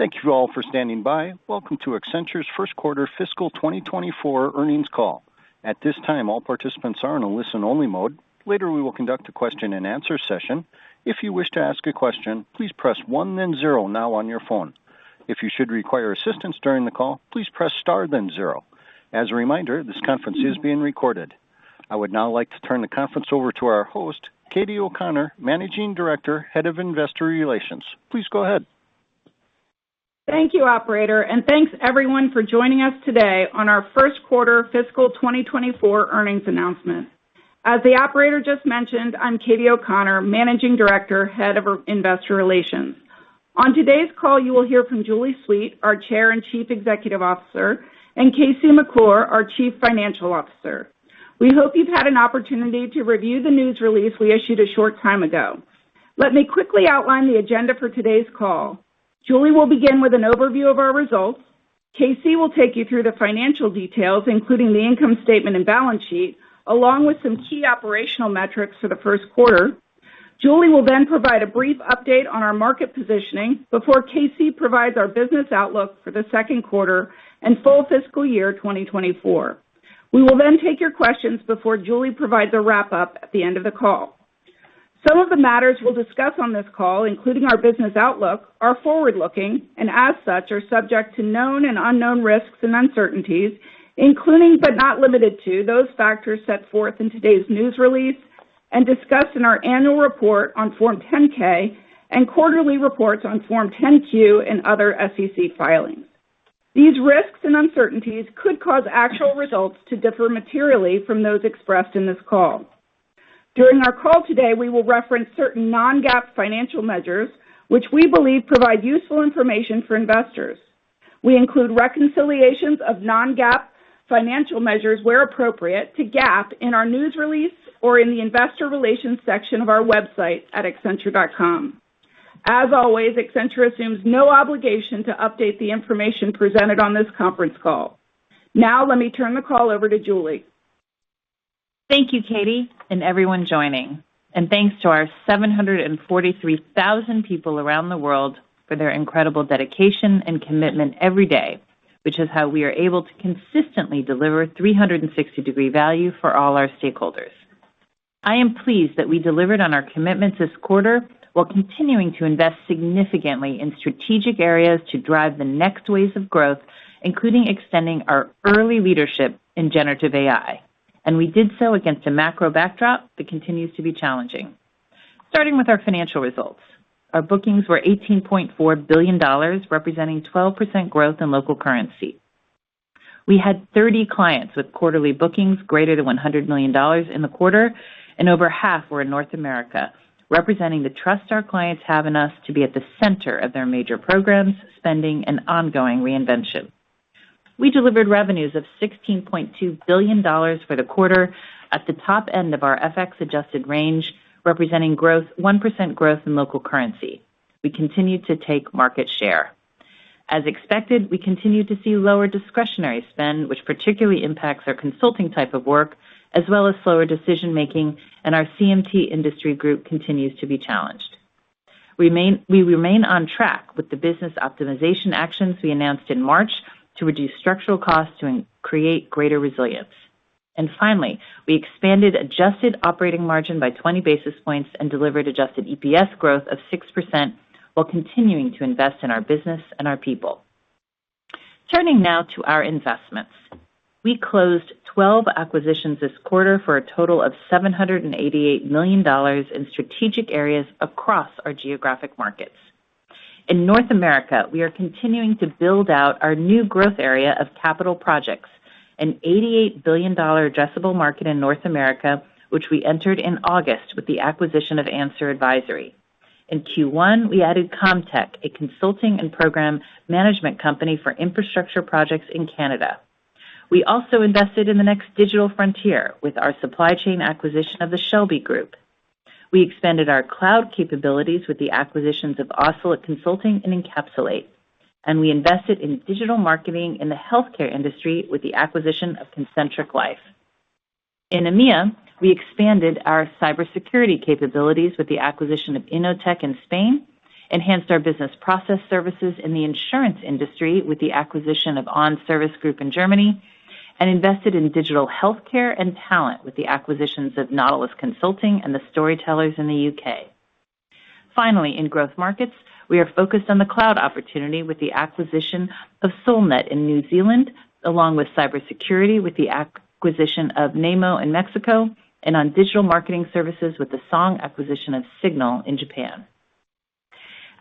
Thank you all for standing by. Welcome to Accenture's first quarter fiscal 2024 earnings call. At this time, all participants are in a listen-only mode. Later, we will conduct a question-and-answer session. If you wish to ask a question, please press 1, then 0, now on your phone. If you should require assistance during the call, please press star, then 0. As a reminder, this conference is being recorded. I would now like to turn the conference over to our host, Katie O'Connor, Managing Director, Head of Investor Relations. Please go ahead. Thank you, operator, and thanks everyone for joining us today on our first quarter fiscal 2024 earnings announcement. As the operator just mentioned, I'm Katie O'Connor, Managing Director, Head of Investor Relations. On today's call, you will hear from Julie Sweet, our Chair and Chief Executive Officer, and KC McClure, our Chief Financial Officer. We hope you've had an opportunity to review the news release we issued a short time ago. Let me quickly outline the agenda for today's call. Julie will begin with an overview of our results. KC will take you through the financial details, including the income statement and balance sheet, along with some key operational metrics for the first quarter. Julie will then provide a brief update on our market positioning before KC provides our business outlook for the second quarter and full fiscal year 2024. We will then take your questions before Julie provides a wrap-up at the end of the call. Some of the matters we'll discuss on this call, including our business outlook, are forward-looking and as such, are subject to known and unknown risks and uncertainties, including but not limited to, those factors set forth in today's news release and discussed in our annual report on Form 10-K and quarterly reports on Form 10-Q and other SEC filings. These risks and uncertainties could cause actual results to differ materially from those expressed in this call. During our call today, we will reference certain non-GAAP financial measures, which we believe provide useful information for investors. We include reconciliations of non-GAAP financial measures, where appropriate, to GAAP in our news release or in the investor relations section of our website at accenture.com. As always, Accenture assumes no obligation to update the information presented on this conference call. Now, let me turn the call over to Julie. Thank you, Katie, and everyone joining, and thanks to our 743,000 people around the world for their incredible dedication and commitment every day, which is how we are able to consistently deliver 360-degree value for all our stakeholders. I am pleased that we delivered on our commitments this quarter, while continuing to invest significantly in strategic areas to drive the next waves of growth, including extending our early leadership in generative AI, and we did so against a macro backdrop that continues to be challenging. Starting with our financial results. Our bookings were $18.4 billion, representing 12% growth in local currency. We had 30 clients with quarterly bookings greater than $100 million in the quarter, and over half were in North America, representing the trust our clients have in us to be at the center of their major programs, spending and ongoing reinvention. We delivered revenues of $16.2 billion for the quarter at the top end of our FX adjusted range, representing 1% growth in local currency. We continued to take market share. As expected, we continued to see lower discretionary spend, which particularly impacts our consulting type of work, as well as slower decision-making, and our CMT industry group continues to be challenged. We remain on track with the business optimization actions we announced in March to reduce structural costs to create greater resilience. And finally, we expanded adjusted operating margin by 20 basis points and delivered adjusted EPS growth of 6%, while continuing to invest in our business and our people. Turning now to our investments. We closed 12 acquisitions this quarter for a total of $788 million in strategic areas across our geographic markets. In North America, we are continuing to build out our new growth area of capital projects, an $88 billion addressable market in North America, which we entered in August with the acquisition of Anser Advisory. In Q1, we added Comtech, a consulting and program management company for infrastructure projects in Canada. We also invested in the next digital frontier with our supply chain acquisition of the Shelby Group. We expanded our cloud capabilities with the acquisitions of Ocelot Consulting and Encapsulate, and we invested in digital marketing in the healthcare industry with the acquisition of Concentric Life. In EMEA, we expanded our cybersecurity capabilities with the acquisition of Innotec in Spain, enhanced our business process services in the insurance industry with the acquisition of OnService Group in Germany, and invested in digital healthcare and talent with the acquisitions of Nautilus Consulting and The Storytellers in the U.K. Finally, in growth markets, we are focused on the cloud opportunity with the acquisition of Solnet in New Zealand, along with cybersecurity, with the acquisition of Mnemo in Mexico, and on digital marketing services with the Song acquisition of Signal in Japan.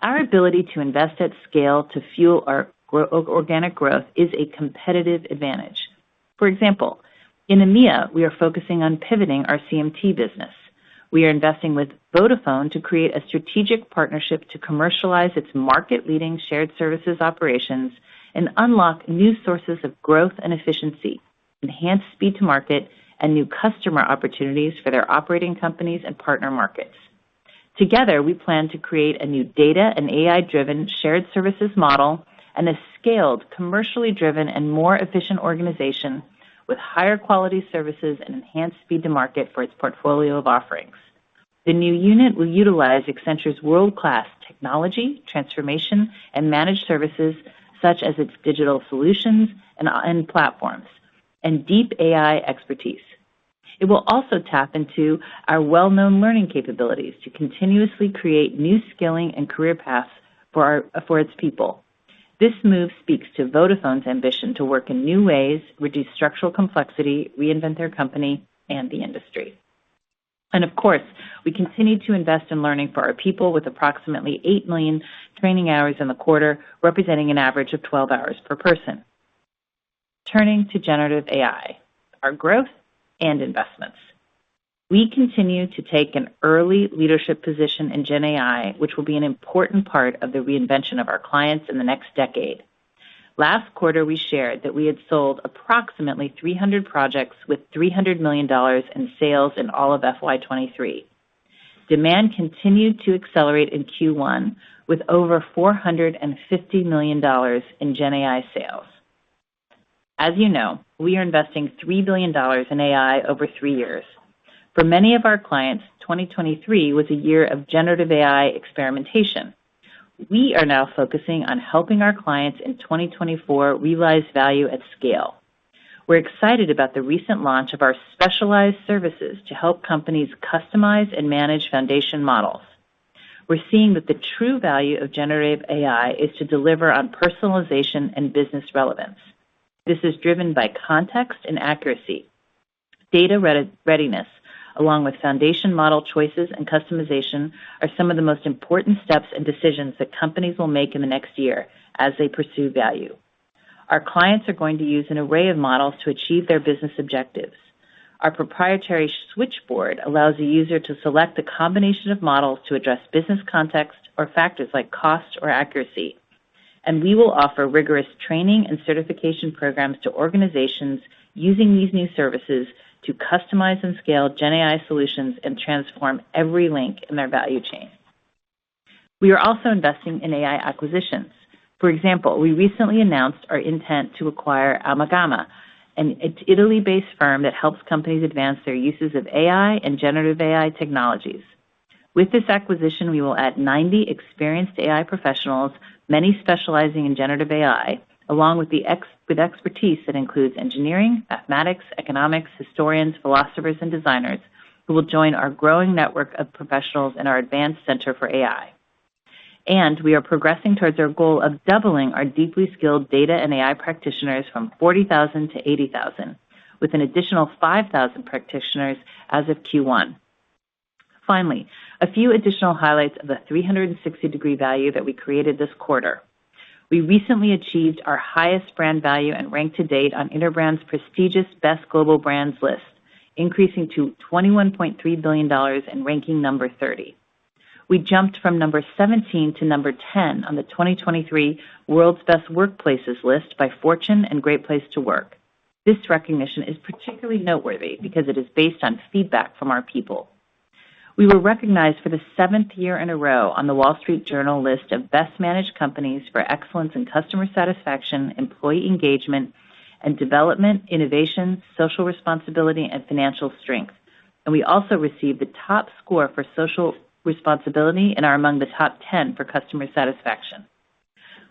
Our ability to invest at scale to fuel our organic growth is a competitive advantage. For example, in EMEA, we are focusing on pivoting our CMT business. We are investing with Vodafone to create a strategic partnership to commercialize its market-leading shared services operations and unlock new sources of growth and efficiency, enhance speed to market and new customer opportunities for their operating companies and partner markets. Together, we plan to create a new data and AI-driven shared services model and a scaled, commercially driven and more efficient organization with higher quality services and enhanced speed to market for its portfolio of offerings. The new unit will utilize Accenture's world-class technology, transformation, and managed services, such as its digital solutions and platforms and deep AI expertise. It will also tap into our well-known learning capabilities to continuously create new skilling and career paths for its people. This move speaks to Vodafone's ambition to work in new ways, reduce structural complexity, reinvent their company and the industry. And of course, we continue to invest in learning for our people with approximately 8 million training hours in the quarter, representing an average of 12 hours per person. Turning to generative AI, our growth and investments. We continue to take an early leadership position in Gen AI, which will be an important part of the reinvention of our clients in the next decade. Last quarter, we shared that we had sold approximately 300 projects with $300 million in sales in all of FY 2023. Demand continued to accelerate in Q1, with over $450 million in Gen AI sales. As you know, we are investing $3 billion in AI over three years. For many of our clients, 2023 was a year of generative AI experimentation. We are now focusing on helping our clients in 2024 realize value at scale. We're excited about the recent launch of our specialized services to help companies customize and manage foundation models. We're seeing that the true value of generative AI is to deliver on personalization and business relevance. This is driven by context and accuracy. Data readiness, along with foundation model choices and customization, are some of the most important steps and decisions that companies will make in the next year as they pursue value. Our clients are going to use an array of models to achieve their business objectives. Our proprietary switchboard allows a user to select the combination of models to address business context or factors like cost or accuracy. And we will offer rigorous training and certification programs to organizations using these new services to customize and scale Gen AI solutions and transform every link in their value chain. We are also investing in AI acquisitions. For example, we recently announced our intent to acquire Ammagamma, an Italy-based firm that helps companies advance their uses of AI and generative AI technologies. With this acquisition, we will add 90 experienced AI professionals, many specializing in generative AI, along with expertise that includes engineering, mathematics, economics, historians, philosophers, and designers, who will join our growing network of professionals in our Center for Advanced AI. We are progressing towards our goal of doubling our deeply skilled data and AI practitioners from 40,000 to 80,000, with an additional 5,000 practitioners as of Q1. Finally, a few additional highlights of the 360-degree value that we created this quarter. We recently achieved our highest brand value and rank to date on Interbrand's prestigious Best Global Brands list, increasing to $21.3 billion and ranking number 30. We jumped from number 17 to number 10 on the 2023 World's Best Workplaces list by Fortune and Great Place to Work. This recognition is particularly noteworthy because it is based on feedback from our people. We were recognized for the 7th year in a row on the Wall Street Journal list of best managed companies for excellence in customer satisfaction, employee engagement and development, innovation, social responsibility, and financial strength. We also received the top score for social responsibility and are among the top 10 for customer satisfaction.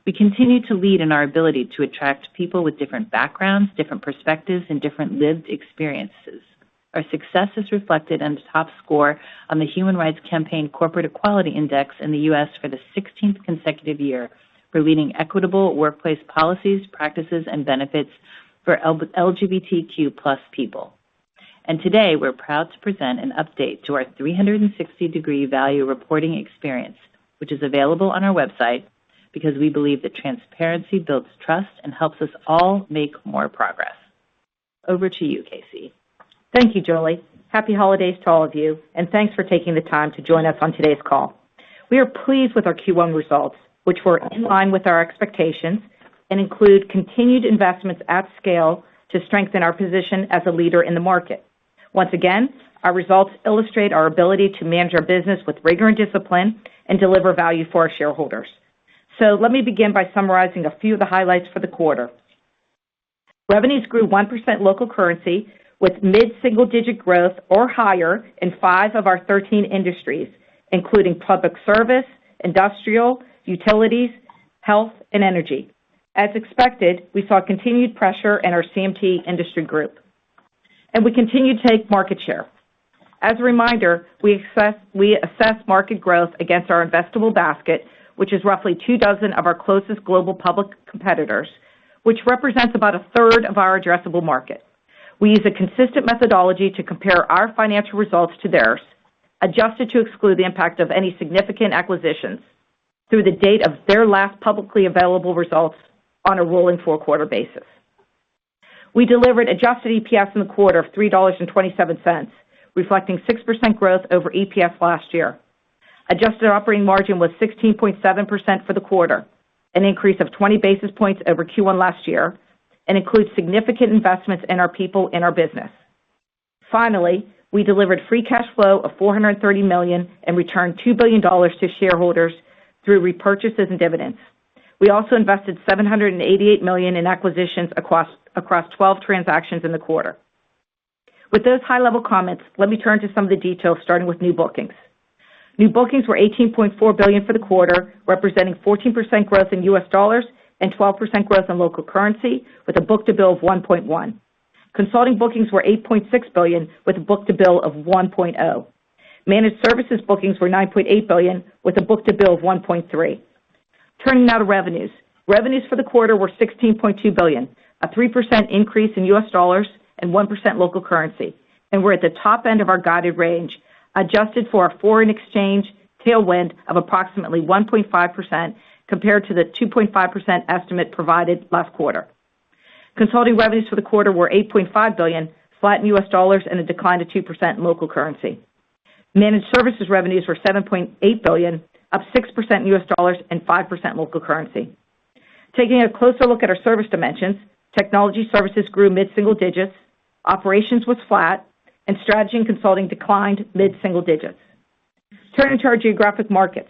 We continue to lead in our ability to attract people with different backgrounds, different perspectives, and different lived experiences. Our success is reflected in the top score on the Human Rights Campaign Corporate Equality Index in the U.S. for the 16th consecutive year for leading equitable workplace policies, practices, and benefits for LGBTQ+ people. Today, we're proud to present an update to our 360-degree value reporting experience, which is available on our website, because we believe that transparency builds trust and helps us all make more progress. Over to you, KC. Thank you, Julie. Happy holidays to all of you, and thanks for taking the time to join us on today's call. We are pleased with our Q1 results, which were in line with our expectations and include continued investments at scale to strengthen our position as a leader in the market. Once again, our results illustrate our ability to manage our business with rigor and discipline and deliver value for our shareholders. So let me begin by summarizing a few of the highlights for the quarter. Revenues grew 1% local currency, with mid-single-digit growth or higher in 5 of our 13 industries, including public service, industrial, utilities, health, and energy. As expected, we saw continued pressure in our CMT industry group, and we continue to take market share. As a reminder, we assess market growth against our investable basket, which is roughly two dozen of our closest global public competitors, which represents about a third of our addressable market. We use a consistent methodology to compare our financial results to theirs, adjusted to exclude the impact of any significant acquisitions through the date of their last publicly available results on a rolling four-quarter basis. We delivered Adjusted EPS in the quarter of $3.27, reflecting 6% growth over EPS last year. Adjusted operating margin was 16.7% for the quarter, an increase of 20 basis points over Q1 last year, and includes significant investments in our people and our business. Finally, we delivered free cash flow of $430 million and returned $2 billion to shareholders through repurchases and dividends. We also invested $788 million in acquisitions across twelve transactions in the quarter. With those high-level comments, let me turn to some of the details, starting with new bookings. New bookings were $18.4 billion for the quarter, representing 14% growth in US dollars and 12% growth in local currency, with a book-to-bill of 1.1. Consulting bookings were $8.6 billion, with a book-to-bill of 1.0. Managed services bookings were $9.8 billion, with a book-to-bill of 1.3. Turning now to revenues. Revenues for the quarter were $16.2 billion, a 3% increase in U.S. dollars and 1% local currency, and we're at the top end of our guided range, adjusted for a foreign exchange tailwind of approximately 1.5% compared to the 2.5% estimate provided last quarter. Consulting revenues for the quarter were $8.5 billion, flat in U.S. dollars and a decline of 2% in local currency. Managed services revenues were $7.8 billion, up 6% in U.S. dollars and 5% local currency. Taking a closer look at our service dimensions, technology services grew mid-single digits, operations was flat, and strategy and consulting declined mid-single digits. Turning to our geographic markets.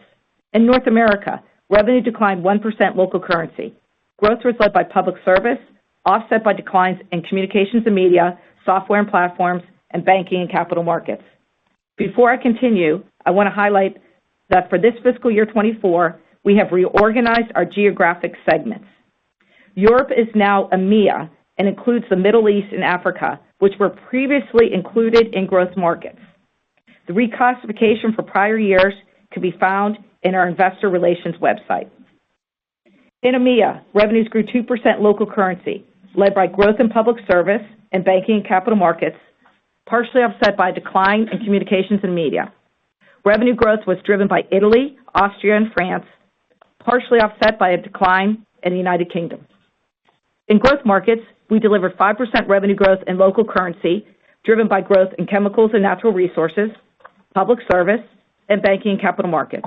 In North America, revenue declined 1% local currency. Growth was led by public service, offset by declines in communications and media, software and platforms, and banking and capital markets. Before I continue, I want to highlight that for this fiscal year 2024, we have reorganized our geographic segments. Europe is now EMEA and includes the Middle East and Africa, which were previously included in growth markets. The reclassification for prior years can be found in our investor relations website. In EMEA, revenues grew 2% local currency, led by growth in public service and banking and capital markets, partially offset by a decline in communications and media. Revenue growth was driven by Italy, Austria, and France, partially offset by a decline in the United Kingdom. In growth markets, we delivered 5% revenue growth in local currency, driven by growth in chemicals and natural resources, public service, and banking and capital markets.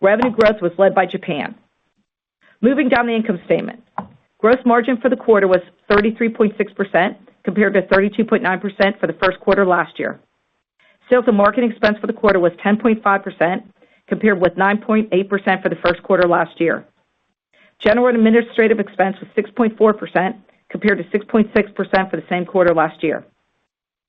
Revenue growth was led by Japan. Moving down the income statement. Gross margin for the quarter was 33.6%, compared to 32.9% for the first quarter last year. Sales and marketing expense for the quarter was 10.5%, compared with 9.8% for the first quarter last year. General and administrative expense was 6.4%, compared to 6.6% for the same quarter last year.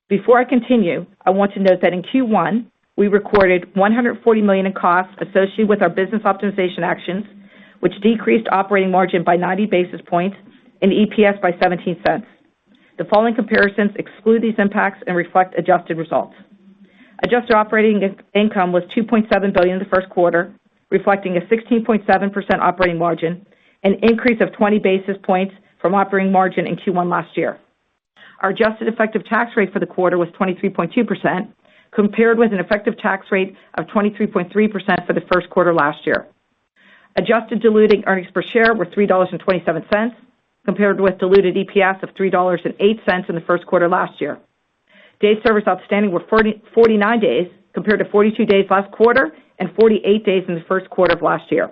Before I continue, I want to note that in Q1, we recorded $140 million in costs associated with our business optimization actions, which decreased operating margin by 90 basis points and EPS by $0.17. The following comparisons exclude these impacts and reflect adjusted results. Adjusted operating income was $2.7 billion in the first quarter, reflecting a 16.7% operating margin, an increase of 20 basis points from operating margin in Q1 last year. Our adjusted effective tax rate for the quarter was 23.2%, compared with an effective tax rate of 23.3% for the first quarter last year. Adjusted diluted earnings per share were $3.27, compared with diluted EPS of $3.08 in the first quarter last year. Days service outstanding were 49 days, compared to 42 days last quarter and 48 days in the first quarter of last year.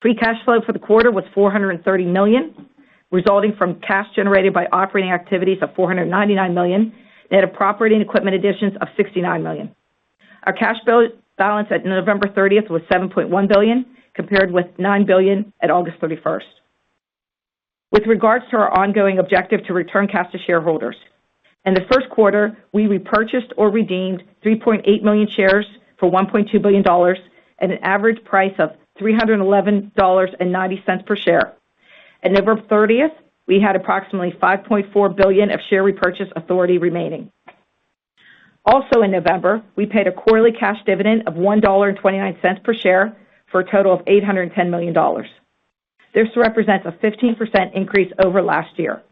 Free cash flow for the quarter was $430 million, resulting from cash generated by operating activities of $499 million, net of property and equipment additions of $69 million. Our cash balance at November 30th was $7.1 billion, compared with $9 billion at August 31st. With regards to our ongoing objective to return cash to shareholders, in the first quarter, we repurchased or redeemed 3.8 million shares for $1.2 billion at an average price of $311.90 per share. At November 30th, we had approximately $5.4 billion of share repurchase authority remaining. Also in November, we paid a quarterly cash dividend of $1.29 per share for a total of $810 million. This represents a 15% increase over last year,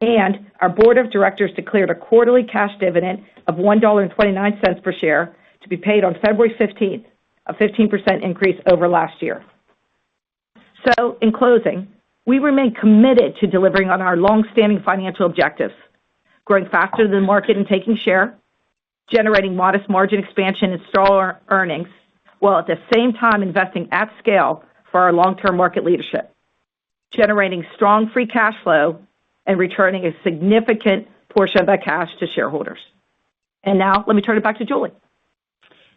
and our board of directors declared a quarterly cash dividend of $1.29 per share to be paid on February 15th, a 15% increase over last year. In closing, we remain committed to delivering on our long-standing financial objectives, growing faster than the market and taking share, generating modest margin expansion and stellar earnings, while at the same time investing at scale for our long-term market leadership, generating strong free cash flow and returning a significant portion of that cash to shareholders. Now let me turn it back to Julie.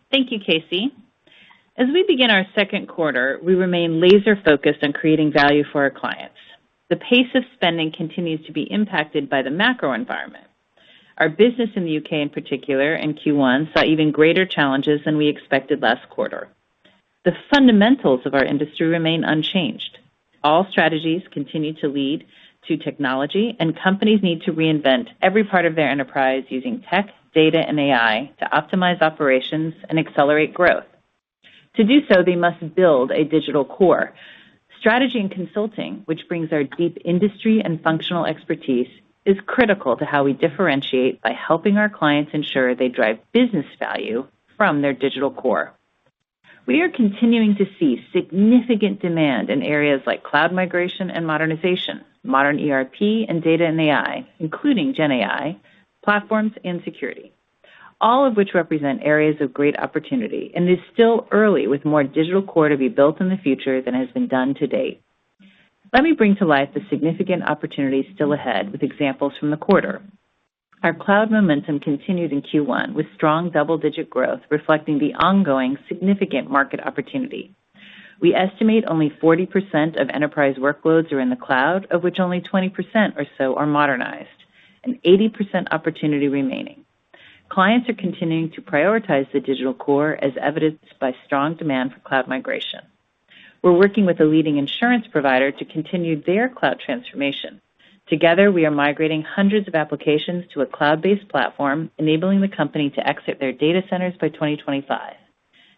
Thank you, KC. As we begin our second quarter, we remain laser focused on creating value for our clients. The pace of spending continues to be impacted by the macro environment. Our business in the U.K. in particular, in Q1, saw even greater challenges than we expected last quarter. The fundamentals of our industry remain unchanged. All strategies continue to lead to technology, and companies need to reinvent every part of their enterprise using tech, data, and AI to optimize operations and accelerate growth. To do so, they must build a digital core. Strategy and consulting, which brings our deep industry and functional expertise, is critical to how we differentiate by helping our clients ensure they drive business value from their digital core. We are continuing to see significant demand in areas like cloud migration and modernization, modern ERP and data and AI, including GenAI, platforms and security, all of which represent areas of great opportunity, and it is still early, with more digital core to be built in the future than has been done to date. Let me bring to life the significant opportunities still ahead with examples from the quarter. Our cloud momentum continued in Q1, with strong double-digit growth reflecting the ongoing significant market opportunity. We estimate only 40% of enterprise workloads are in the cloud, of which only 20% or so are modernized, and 80% opportunity remaining. Clients are continuing to prioritize the digital core, as evidenced by strong demand for cloud migration. We're working with a leading insurance provider to continue their cloud transformation. Together, we are migrating hundreds of applications to a cloud-based platform, enabling the company to exit their data centers by 2025.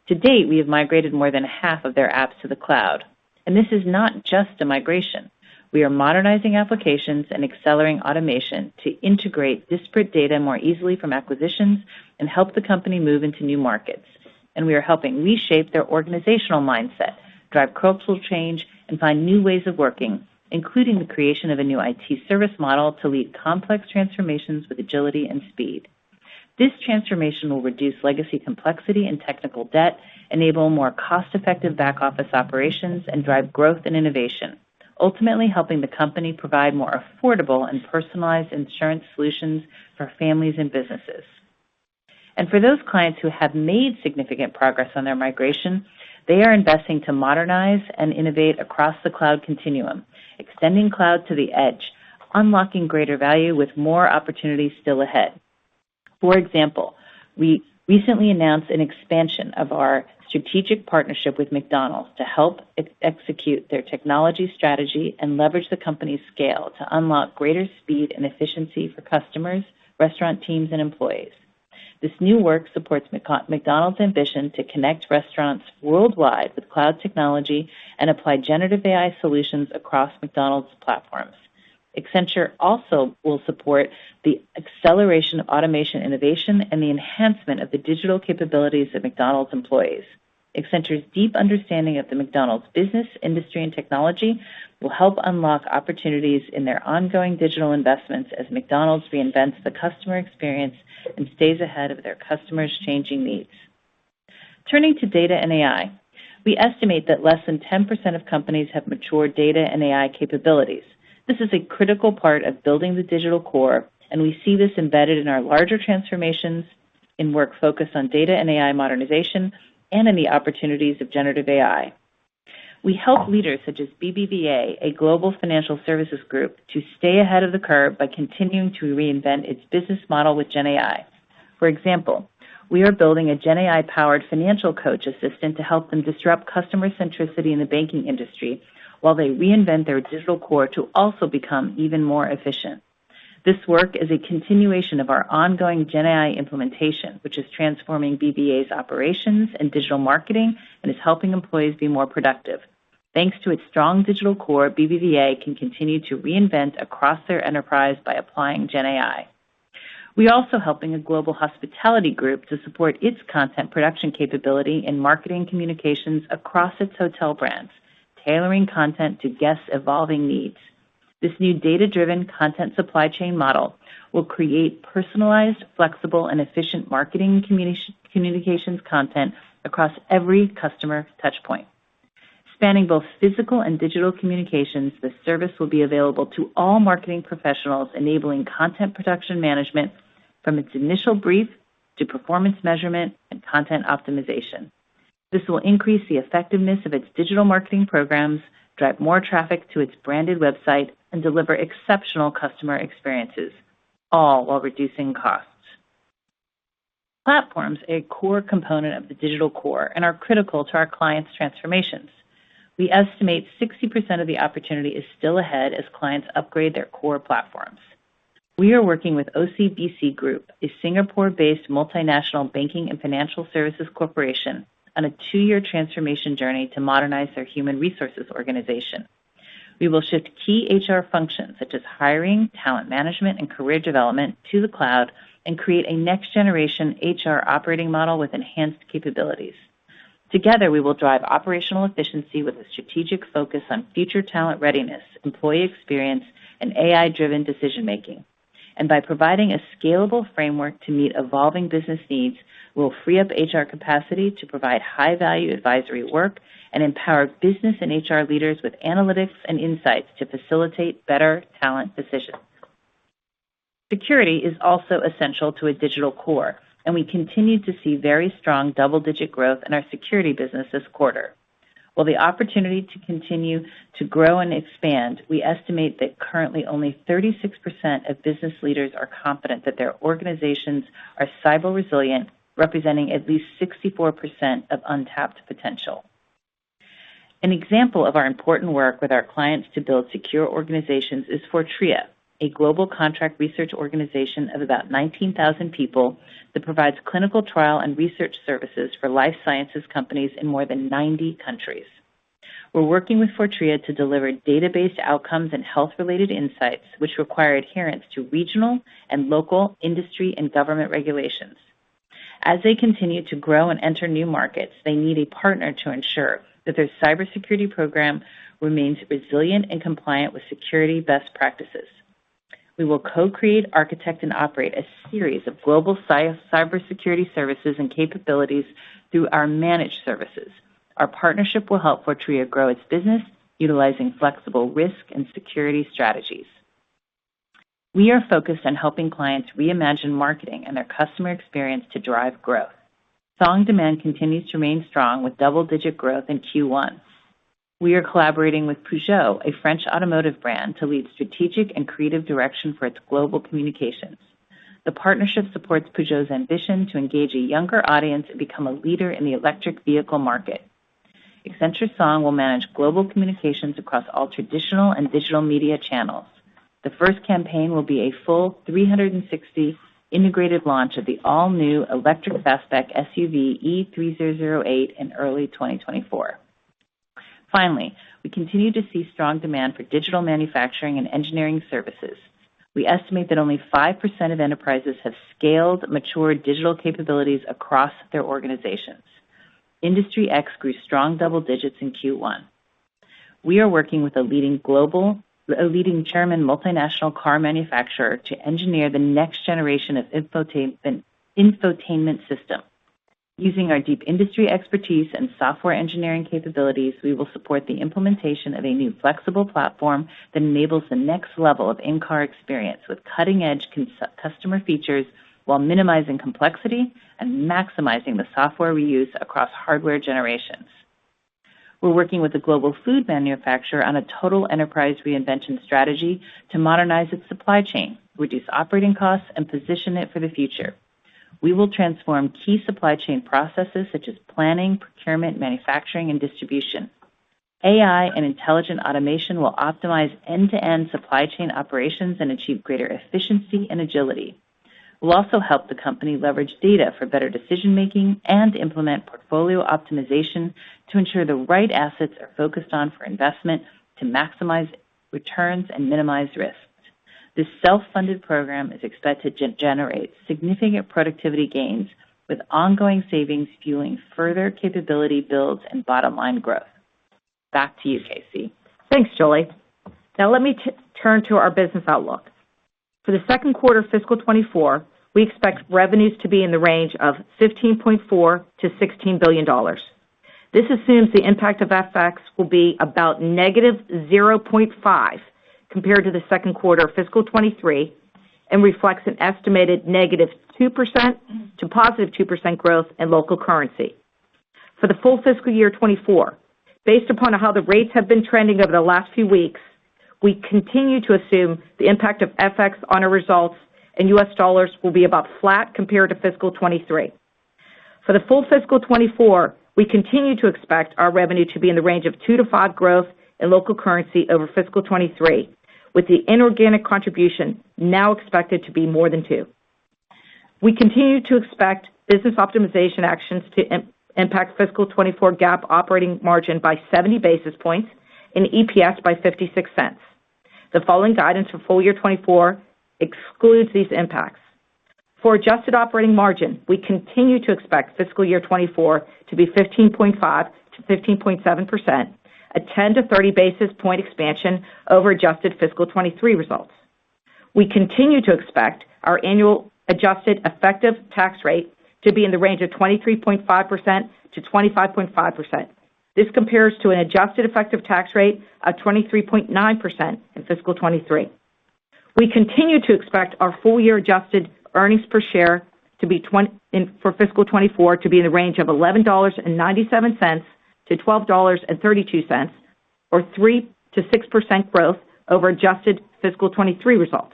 To date, we have migrated more than half of their apps to the cloud, and this is not just a migration. We are modernizing applications and accelerating automation to integrate disparate data more easily from acquisitions and help the company move into new markets. We are helping reshape their organizational mindset, drive cultural change, and find new ways of working, including the creation of a new IT service model to lead complex transformations with agility and speed. This transformation will reduce legacy complexity and technical debt, enable more cost-effective back-office operations, and drive growth and innovation, ultimately helping the company provide more affordable and personalized insurance solutions for families and businesses. For those clients who have made significant progress on their migration, they are investing to modernize and innovate across the cloud continuum, extending cloud to the edge, unlocking greater value with more opportunities still ahead. For example, we recently announced an expansion of our strategic partnership with McDonald's to help execute their technology strategy and leverage the company's scale to unlock greater speed and efficiency for customers, restaurant teams, and employees. This new work supports McDonald's ambition to connect restaurants worldwide with cloud technology and apply generative AI solutions across McDonald's platforms. Accenture also will support the acceleration of automation, innovation, and the enhancement of the digital capabilities of McDonald's employees. Accenture's deep understanding of the McDonald's business, industry, and technology will help unlock opportunities in their ongoing digital investments as McDonald's reinvents the customer experience and stays ahead of their customers' changing needs. Turning to data and AI, we estimate that less than 10% of companies have mature data and AI capabilities. This is a critical part of building the digital core, and we see this embedded in our larger transformations, in work focused on data and AI modernization, and in the opportunities of generative AI. We help leaders such as BBVA, a global financial services group, to stay ahead of the curve by continuing to reinvent its business model with GenAI. For example, we are building a GenAI-powered financial coach assistant to help them disrupt customer centricity in the banking industry while they reinvent their digital core to also become even more efficient. This work is a continuation of our ongoing GenAI implementation, which is transforming BBVA's operations and digital marketing and is helping employees be more productive. Thanks to its strong digital core, BBVA can continue to reinvent across their enterprise by applying GenAI. We are also helping a global hospitality group to support its content production capability in marketing communications across its hotel brands, tailoring content to guests' evolving needs. This new data-driven content supply chain model will create personalized, flexible, and efficient marketing communications content across every customer touch point. Spanning both physical and digital communications, this service will be available to all marketing professionals, enabling content production management from its initial brief to performance measurement and content optimization. This will increase the effectiveness of its digital marketing programs, drive more traffic to its branded website, and deliver exceptional customer experiences, all while reducing costs. Platforms, a core component of the digital core, are critical to our clients' transformations. We estimate 60% of the opportunity is still ahead as clients upgrade their core platforms. We are working with OCBC Group, a Singapore-based multinational banking and financial services corporation, on a 2-year transformation journey to modernize their human resources organization. We will shift key HR functions, such as hiring, talent management, and career development, to the cloud and create a next-generation HR operating model with enhanced capabilities. Together, we will drive operational efficiency with a strategic focus on future talent readiness, employee experience, and AI-driven decision-making. By providing a scalable framework to meet evolving business needs, we'll free up HR capacity to provide high-value advisory work and empower business and HR leaders with analytics and insights to facilitate better talent decisions. Security is also essential to a digital core, and we continue to see very strong double-digit growth in our security business this quarter. While the opportunity to continue to grow and expand, we estimate that currently, only 36% of business leaders are confident that their organizations are cyber resilient, representing at least 64% of untapped potential. An example of our important work with our clients to build secure organizations is Fortrea, a global contract research organization of about 19,000 people that provides clinical trial and research services for life sciences companies in more than 90 countries. We're working with Fortrea to deliver data-based outcomes and health-related insights, which require adherence to regional and local industry and government regulations. As they continue to grow and enter new markets, they need a partner to ensure that their cybersecurity program remains resilient and compliant with security best practices.... We will co-create, architect, and operate a series of global cybersecurity services and capabilities through our managed services. Our partnership will help Fortrea grow its business, utilizing flexible risk and security strategies. We are focused on helping clients reimagine marketing and their customer experience to drive growth. Song demand continues to remain strong with double-digit growth in Q1. We are collaborating with Peugeot, a French automotive brand, to lead strategic and creative direction for its global communications. The partnership supports Peugeot's ambition to engage a younger audience and become a leader in the electric vehicle market. Accenture Song will manage global communications across all traditional and digital media channels. The first campaign will be a full 360 integrated launch of the all-new electric fastback SUV, e-3008, in early 2024. Finally, we continue to see strong demand for digital manufacturing and engineering services. We estimate that only 5% of enterprises have scaled mature digital capabilities across their organizations. Industry X grew strong double digits in Q1. We are working with a leading German multinational car manufacturer to engineer the next generation of infotainment system. Using our deep industry expertise and software engineering capabilities, we will support the implementation of a new flexible platform that enables the next level of in-car experience with cutting-edge customer features, while minimizing complexity and maximizing the software we use across hardware generations. We're working with a global food manufacturer on a total enterprise reinvention strategy to modernize its supply chain, reduce operating costs, and position it for the future. We will transform key supply chain processes such as planning, procurement, manufacturing, and distribution. AI and intelligent automation will optimize end-to-end supply chain operations and achieve greater efficiency and agility. We'll also help the company leverage data for better decision-making and implement portfolio optimization to ensure the right assets are focused on for investment to maximize returns and minimize risks. This self-funded program is expected to generate significant productivity gains, with ongoing savings fueling further capability builds and bottom-line growth. Back to you, KC. Thanks, Julie. Now let me turn to our business outlook. For the second quarter of fiscal 2024, we expect revenues to be in the range of $15.4 billion-$16 billion. This assumes the impact of FX will be about -0.5% compared to the second quarter of fiscal 2023 and reflects an estimated -2% to +2% growth in local currency. For the full fiscal year 2024, based upon how the rates have been trending over the last few weeks, we continue to assume the impact of FX on our results in U.S. dollars will be about flat compared to fiscal 2023. For the full fiscal 2024, we continue to expect our revenue to be in the range of 2%-5% growth in local currency over fiscal 2023, with the inorganic contribution now expected to be more than 2%. We continue to expect business optimization actions to impact fiscal 2024 GAAP operating margin by 70 basis points and EPS by $0.56. The following guidance for full year 2024 excludes these impacts. For adjusted operating margin, we continue to expect fiscal year 2024 to be 15.5%-15.7%, a 10-30 basis point expansion over adjusted fiscal 2023 results. We continue to expect our annual adjusted effective tax rate to be in the range of 23.5%-25.5%. This compares to an adjusted effective tax rate of 23.9% in fiscal 2023. We continue to expect our full-year adjusted earnings per share to be for fiscal 2024, to be in the range of $11.97-$12.32, or 3%-6% growth over adjusted fiscal 2023 results.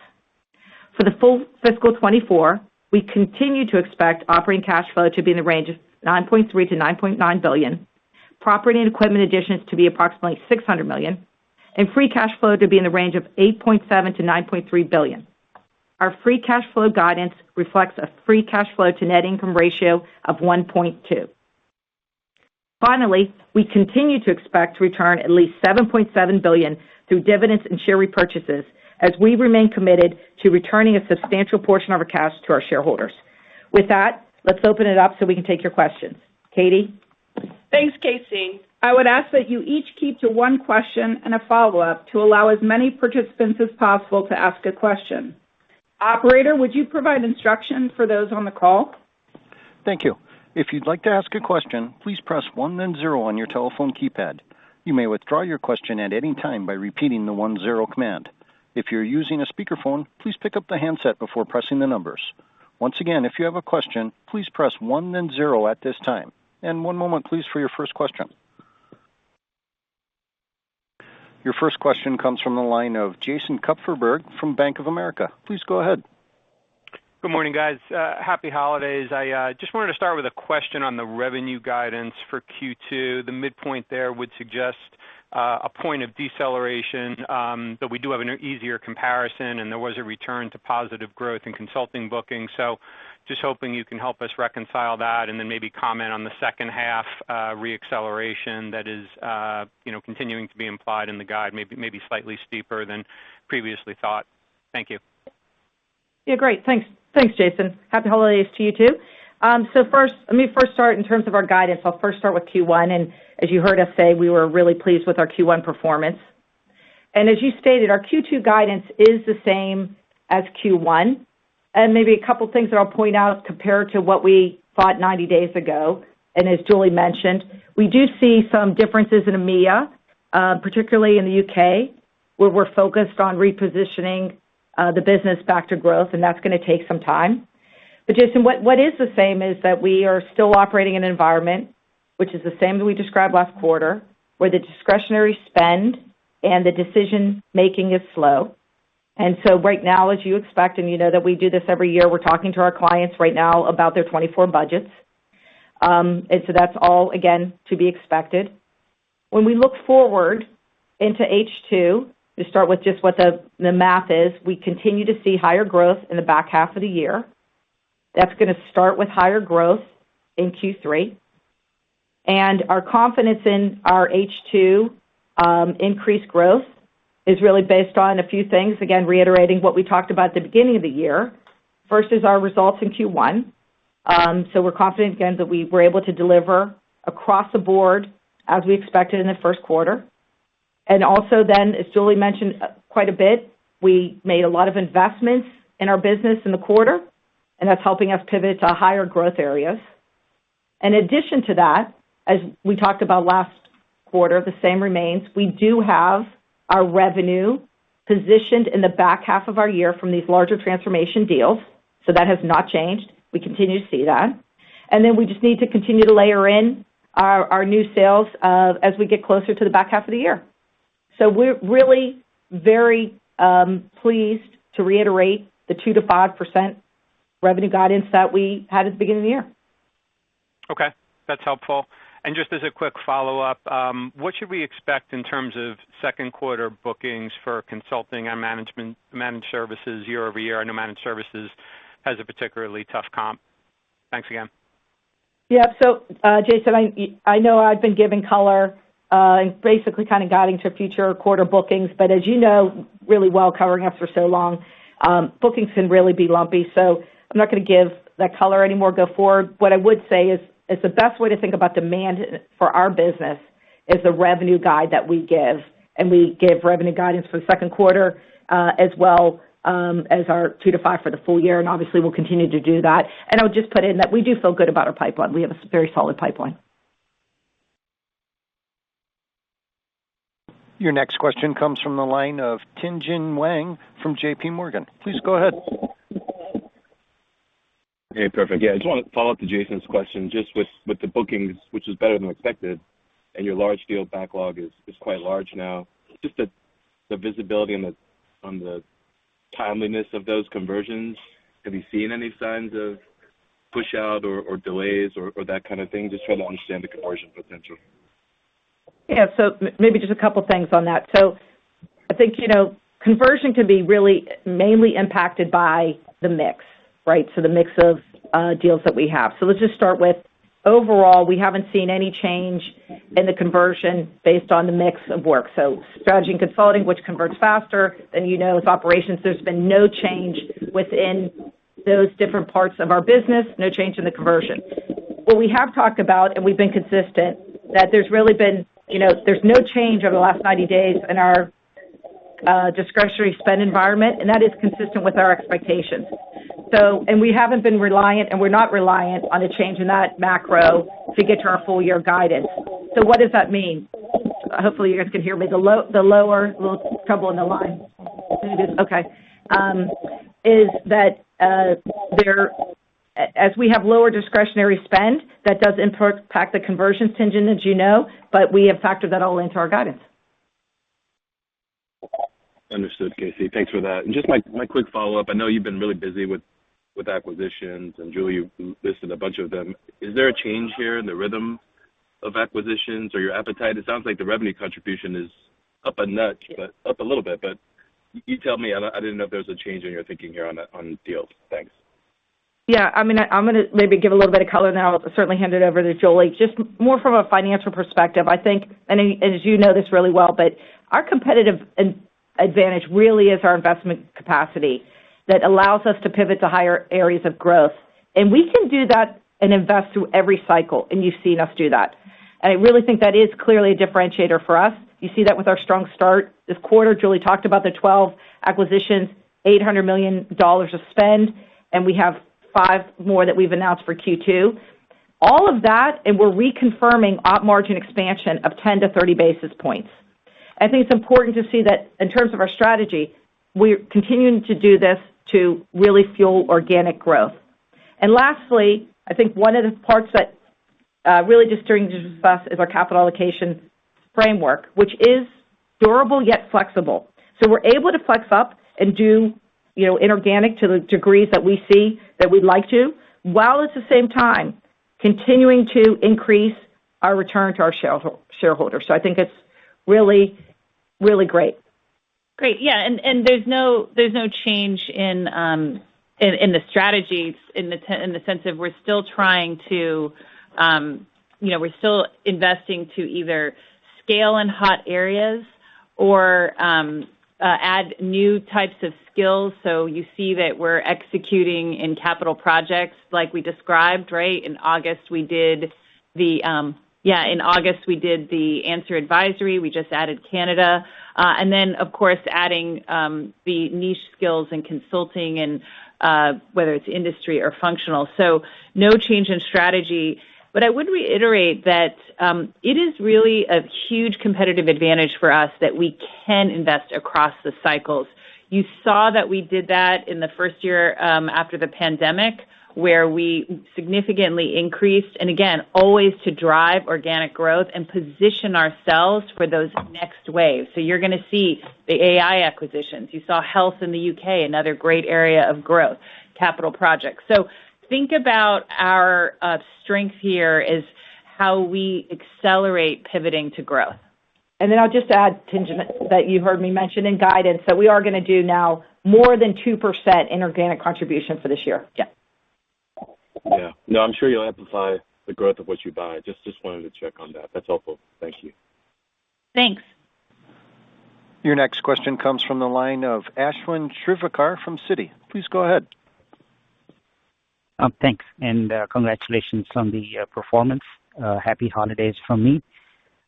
For the full fiscal 2024, we continue to expect operating cash flow to be in the range of $9.3 billion-$9.9 billion, property and equipment additions to be approximately $600 million, and free cash flow to be in the range of $8.7 billion-$9.3 billion. Our free cash flow guidance reflects a free cash flow to net income ratio of 1.2. Finally, we continue to expect to return at least $7.7 billion through dividends and share repurchases as we remain committed to returning a substantial portion of our cash to our shareholders. With that, let's open it up so we can take your questions. Katie? Thanks, KC. I would ask that you each keep to one question and a follow-up to allow as many participants as possible to ask a question. Operator, would you provide instructions for those on the call? Thank you. If you'd like to ask a question, please press one then zero on your telephone keypad. You may withdraw your question at any time by repeating the one-zero command. If you're using a speakerphone, please pick up the handset before pressing the numbers. Once again, if you have a question, please press one, then zero at this time. And one moment, please, for your first question. Your first question comes from the line of Jason Kupferberg from Bank of America. Please go ahead. Good morning, guys. Happy holidays. I just wanted to start with a question on the revenue guidance for Q2. The midpoint there would suggest a point of deceleration, but we do have an easier comparison, and there was a return to positive growth in consulting bookings. So just hoping you can help us reconcile that and then maybe comment on the second half reacceleration that is, you know, continuing to be implied in the guide, maybe, maybe slightly steeper than previously thought. Thank you.... Yeah, great. Thanks. Thanks, Jason. Happy holidays to you, too. So first, let me first start in terms of our guidance. I'll first start with Q1, and as you heard us say, we were really pleased with our Q1 performance. And as you stated, our Q2 guidance is the same as Q1. And maybe a couple of things that I'll point out compared to what we thought 90 days ago, and as Julie mentioned, we do see some differences in EMEA, particularly in the UK, where we're focused on repositioning the business back to growth, and that's gonna take some time. But Jason, what, what is the same is that we are still operating in an environment which is the same that we described last quarter, where the discretionary spend and the decision-making is slow. Right now, as you expect, and you know that we do this every year, we're talking to our clients right now about their 2024 budgets. That's all, again, to be expected. When we look forward into H2, to start with just what the math is, we continue to see higher growth in the back half of the year. That's gonna start with higher growth in Q3, and our confidence in our H2 increased growth is really based on a few things. Again, reiterating what we talked about at the beginning of the year. First is our results in Q1. So we're confident again that we were able to deliver across the board as we expected in the first quarter. Also then, as Julie mentioned, quite a bit, we made a lot of investments in our business in the quarter, and that's helping us pivot to higher growth areas. In addition to that, as we talked about last quarter, the same remains. We do have our revenue positioned in the back half of our year from these larger transformation deals, so that has not changed. We continue to see that. Then we just need to continue to layer in our new sales as we get closer to the back half of the year. So we're really very pleased to reiterate the 2%-5% revenue guidance that we had at the beginning of the year. Okay, that's helpful. And just as a quick follow-up, what should we expect in terms of second quarter bookings for consulting and managed services year-over-year? I know managed services has a particularly tough comp. Thanks again. Yeah. So, Jason, I know I've been giving color, and basically kind of guiding to future quarter bookings, but as you know, really well, covering us for so long, bookings can really be lumpy, so I'm not gonna give that color anymore going forward. What I would say is the best way to think about demand for our business is the revenue guide that we give, and we give revenue guidance for the second quarter, as well, as our 2-5 for the full year. And obviously, we'll continue to do that. And I'll just put in that we do feel good about our pipeline. We have a very solid pipeline. Your next question comes from the line of Tien-Tsin Huang from J.P. Morgan. Please go ahead. Hey, perfect. Yeah, I just want to follow up to Jason's question, just with the bookings, which is better than expected, and your large deal backlog is quite large now. Just the visibility on the timeliness of those conversions, have you seen any signs of push out or delays or that kind of thing? Just trying to understand the conversion potential. Yeah. So maybe just a couple of things on that. So I think, you know, conversion can be really mainly impacted by the mix, right? So the mix of deals that we have. So let's just start with, overall, we haven't seen any change in the conversion based on the mix of work. So strategy and consulting, which converts faster than, you know, with operations, there's been no change within those different parts of our business, no change in the conversion. What we have talked about, and we've been consistent, that there's really been, you know, there's no change over the last 90 days in our discretionary spend environment, and that is consistent with our expectations. So and we haven't been reliant, and we're not reliant on a change in that macro to get to our full year guidance. So what does that mean? Hopefully, you guys can hear me. Little trouble on the line. Okay. As we have lower discretionary spend, that does impact the conversion, Tien-Tsin, as you know, but we have factored that all into our guidance. Understood, KC. Thanks for that. Just my quick follow-up. I know you've been really busy with acquisitions, and Julie, you've listed a bunch of them. Is there a change here in the rhythm of acquisitions or your appetite? It sounds like the revenue contribution is up a notch, but up a little bit. You tell me. I didn't know if there was a change in your thinking here on the, on deals. Thanks. Yeah, I mean, I, I'm gonna maybe give a little bit of color, and then I'll certainly hand it over to Julie. Just more from a financial perspective, I think, and as you know this really well, but our competitive advantage really is our investment capacity that allows us to pivot to higher areas of growth. And we can do that and invest through every cycle, and you've seen us do that. And I really think that is clearly a differentiator for us. You see that with our strong start this quarter. Julie talked about the 12 acquisitions, $800 million of spend, and we have 5 more that we've announced for Q2. All of that, and we're reconfirming op margin expansion of 10-30 basis points. I think it's important to see that in terms of our strategy, we're continuing to do this to really fuel organic growth. And lastly, I think one of the parts that really distinguishes us is our capital allocation framework, which is durable yet flexible. So we're able to flex up and do, you know, inorganic to the degrees that we see that we'd like to, while at the same time continuing to increase our return to our shareholders. So I think it's really, really great. Great. Yeah, and there's no change in the strategy, in the sense of we're still trying to, you know, we're still investing to either scale in hot areas or add new types of skills. So you see that we're executing in capital projects like we described, right? In August, we did the Anser Advisory. We just added Canada. And then, of course, adding the niche skills and consulting and whether it's industry or functional. So no change in strategy. But I would reiterate that it is really a huge competitive advantage for us that we can invest across the cycles. You saw that we did that in the first year after the pandemic, where we significantly increased, and again, always to drive organic growth and position ourselves for those next waves. So you're gonna see the AI acquisitions. You saw health in the UK, another great area of growth, capital projects. So think about our strength here is how we accelerate pivoting to growth. I'll just add, Tien-Tsin, that you heard me mention in guidance, that we are going to do now more than 2% in organic contribution for this year. Yeah. Yeah. No, I'm sure you'll amplify the growth of what you buy. Just, just wanted to check on that. That's helpful. Thank you. Thanks. Your next question comes from the line of Ashwin Shirvaikar from Citi. Please go ahead. Thanks, and congratulations on the performance. Happy holidays from me.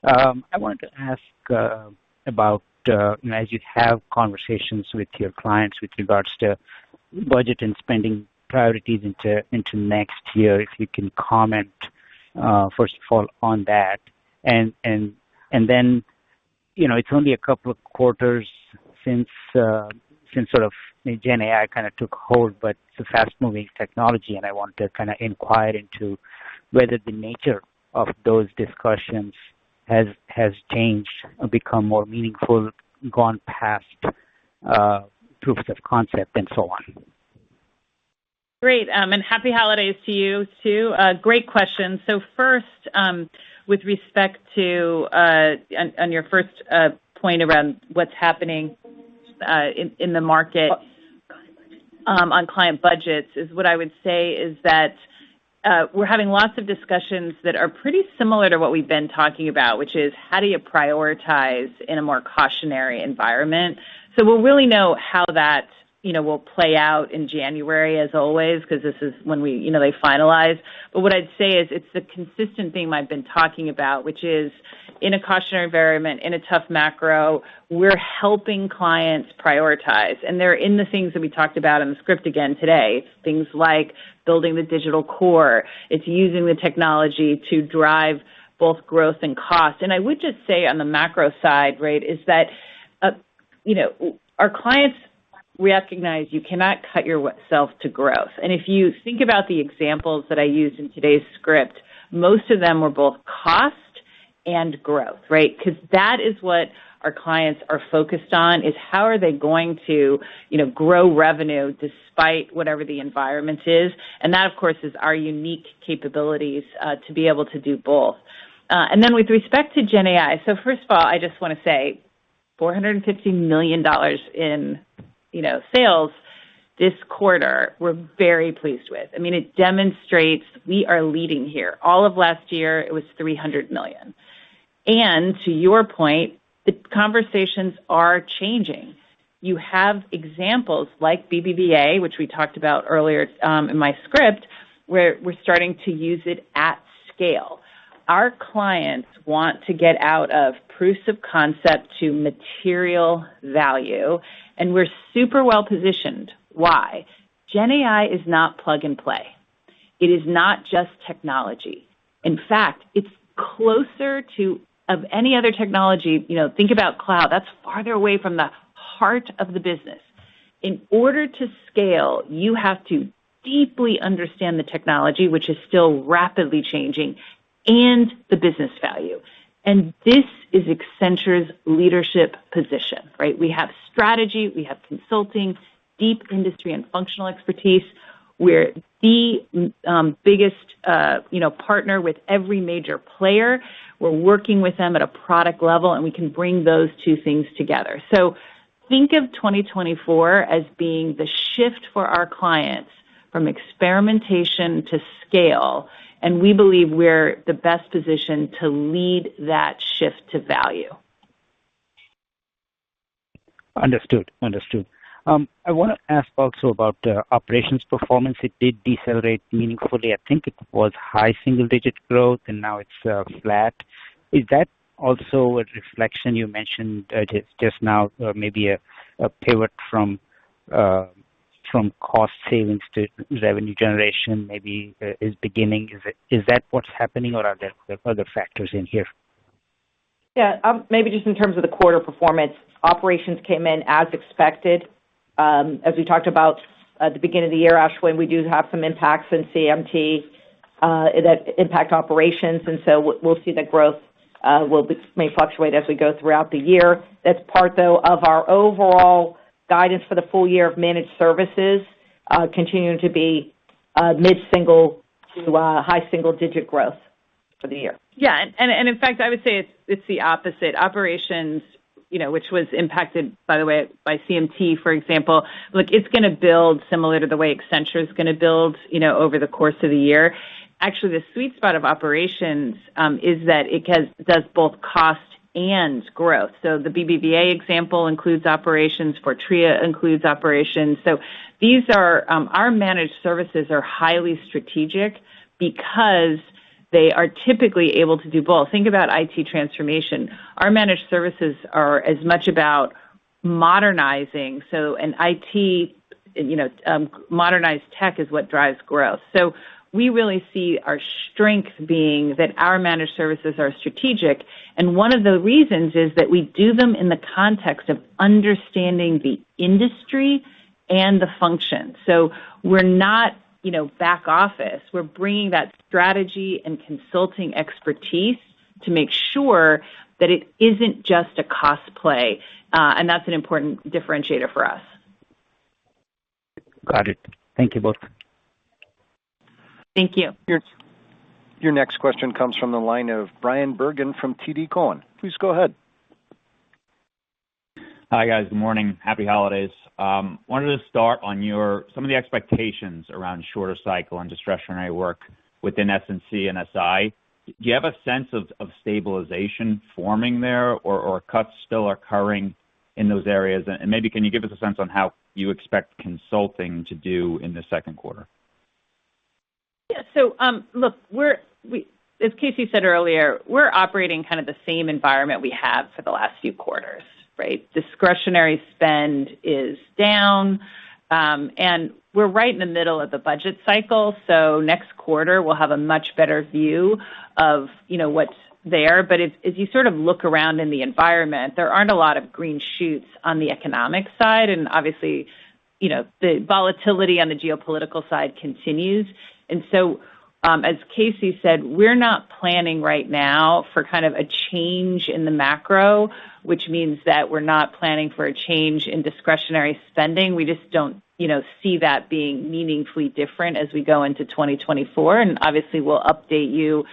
I wanted to ask about as you have conversations with your clients with regards to budget and spending priorities into next year, if you can comment first of all, on that. And then, you know, it's only a couple of quarters since sort of GenAI kind of took hold, but it's a fast-moving technology, and I want to kind of inquire into whether the nature of those discussions has changed or become more meaningful, gone past proofs of concept, and so on. Great! And happy holidays to you, too. Great question. So first, with respect to on your first point around what's happening in the market on client budgets, what I would say is that we're having lots of discussions that are pretty similar to what we've been talking about, which is: How do you prioritize in a more cautionary environment? So we'll really know how that, you know, will play out in January, as always, because this is when we, you know, they finalize. But what I'd say is, it's the consistent theme I've been talking about, which is in a cautionary environment, in a tough macro, we're helping clients prioritize, and they're in the things that we talked about in the script again today, things like building the Digital core. It's using the technology to drive both growth and cost. And I would just say, on the macro side, right, is that, you know, our clients recognize you cannot cut yourself to growth. And if you think about the examples that I used in today's script, most of them were both cost and growth, right? Because that is what our clients are focused on, is how are they going to, you know, grow revenue despite whatever the environment is. And that, of course, is our unique capabilities, to be able to do both. And then with respect to GenAI, so first of all, I just want to say $450 million in, you know, sales this quarter, we're very pleased with. I mean, it demonstrates we are leading here. All of last year, it was $300 million. To your point, the conversations are changing. You have examples like BBVA, which we talked about earlier, in my script, where we're starting to use it at scale. Our clients want to get out of proofs of concept to material value, and we're super well positioned. Why? GenAI is not plug-and-play. It is not just technology. In fact, it's closer to... of any other technology, you know, think about cloud, that's farther away from the heart of the business. In order to scale, you have to deeply understand the technology, which is still rapidly changing, and the business value. And this is Accenture's leadership position, right? We have strategy, we have consulting, deep industry and functional expertise. We're the, biggest, you know, partner with every major player. We're working with them at a product level, and we can bring those two things together. So think of 2024 as being the shift for our clients from experimentation to scale, and we believe we're the best positioned to lead that shift to value. Understood. Understood. I want to ask also about the operations performance. It did decelerate meaningfully. I think it was high single-digit growth, and now it's flat. Is that also a reflection you mentioned just now, or maybe a pivot from cost savings to revenue generation, maybe is beginning? Is that what's happening, or are there other factors in here? Yeah, maybe just in terms of the quarter performance, operations came in as expected. As we talked about at the beginning of the year, Ashwin, we do have some impacts in CMT that impact operations, and so we'll, we'll see the growth may fluctuate as we go throughout the year. That's part, though, of our overall guidance for the full year of managed services continuing to be mid-single- to high single-digit growth for the year. Yeah, and in fact, I would say it's the opposite. Operations, you know, which was impacted, by the way, by CMT, for example, look, it's going to build similar to the way Accenture is going to build, you know, over the course of the year. Actually, the sweet spot of operations is that it does both cost and growth. So the BBVA example includes operations, Fortrea includes operations. So these are our managed services are highly strategic because they are typically able to do both. Think about IT transformation. Our managed services are as much about modernizing, so an IT, you know, modernized tech is what drives growth. So we really see our strength being that our managed services are strategic, and one of the reasons is that we do them in the context of understanding the industry and the function. We're not, you know, back office. We're bringing that strategy and consulting expertise to make sure that it isn't just a cost play, and that's an important differentiator for us. Got it. Thank you both. Thank you. Your next question comes from the line of Bryan Bergen from TD Cowen. Please go ahead. Hi, guys. Good morning. Happy holidays. Wanted to start on some of the expectations around shorter cycle and discretionary work within S&C and SI. Do you have a sense of stabilization forming there, or are cuts still occurring in those areas? And maybe, can you give us a sense on how you expect consulting to do in the second quarter? Yeah, so, look, we're as KC said earlier, we're operating kind of the same environment we have for the last few quarters, right? Discretionary spend is down, and we're right in the middle of the budget cycle, so next quarter, we'll have a much better view of, you know, what's there. But if you sort of look around in the environment, there aren't a lot of green shoots on the economic side, and obviously, you know, the volatility on the geopolitical side continues. And so, as KC said, we're not planning right now for kind of a change in the macro, which means that we're not planning for a change in discretionary spending. We just don't, you know, see that being meaningfully different as we go into 2024, and obviously, we'll update you.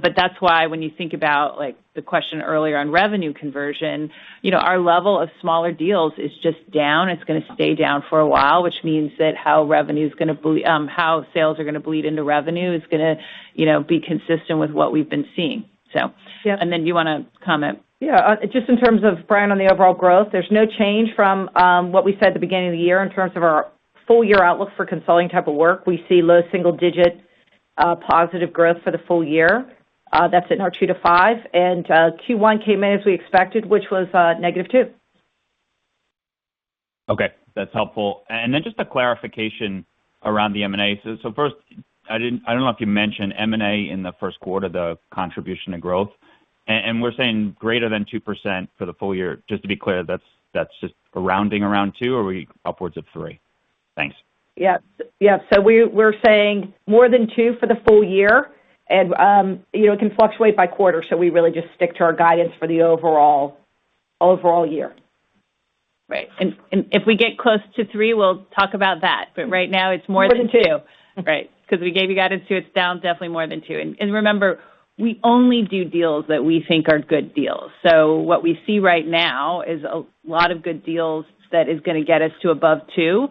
But that's why when you think about, like, the question earlier on revenue conversion, you know, our level of smaller deals is just down. It's going to stay down for a while, which means that how revenue is going to bleed... how sales are going to bleed into revenue is going to, you know, be consistent with what we've been seeing. So- Yeah. And then you want to comment? Yeah, just in terms of, Brian, on the overall growth, there's no change from what we said at the beginning of the year in terms of our full year outlook for consulting type of work. We see low single digit positive growth for the full year. That's in our 2-5, and Q1 came in as we expected, which was negative 2. Okay, that's helpful. And then just a clarification around the M&A. So first, I don't know if you mentioned M&A in the first quarter, the contribution and growth. And we're saying greater than 2% for the full year. Just to be clear, that's just rounding around 2, or are we upwards of 3? Thanks. Yep. Yep. So we're saying more than two for the full year, and, you know, it can fluctuate by quarter, so we really just stick to our guidance for the overall, overall year. Right. And, and if we get close to three, we'll talk about that, but right now it's more than two. More than 2. Right. Because we gave you guidance 2, it's down definitely more than 2. And, and remember, we only do deals that we think are good deals. So what we see right now is a lot of good deals that is going to get us to above 2.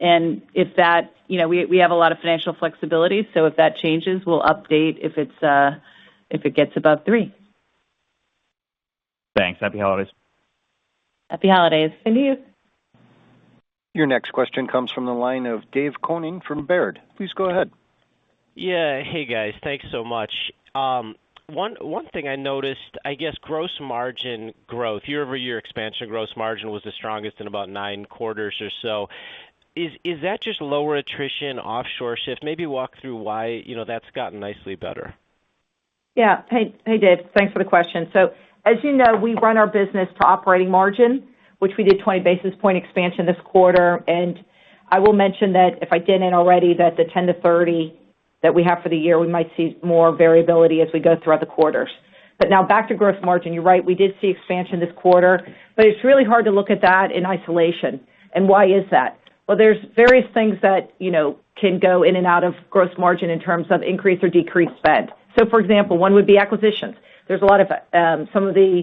And if that... you know, we, we have a lot of financial flexibility, so if that changes, we'll update, if it's, if it gets above 3. Thanks. Happy holidays. Happy holidays. And you. Your next question comes from the line of Dave Koning from Baird. Please go ahead. Yeah. Hey, guys. Thanks so much. One thing I noticed, I guess, gross margin growth. Year-over-year expansion, gross margin was the strongest in about nine quarters or so. Is that just lower attrition, offshore shift? Maybe walk through why, you know, that's gotten nicely better. Yeah. Hey, hey, Dave. Thanks for the question. So as you know, we run our business to operating margin, which we did 20 basis point expansion this quarter. And I will mention that, if I didn't already, that the 10-30 that we have for the year, we might see more variability as we go throughout the quarters. But now back to gross margin. You're right, we did see expansion this quarter, but it's really hard to look at that in isolation. And why is that? Well, there's various things that, you know, can go in and out of gross margin in terms of increased or decreased spend. So, for example, one would be acquisitions. There's a lot of some of the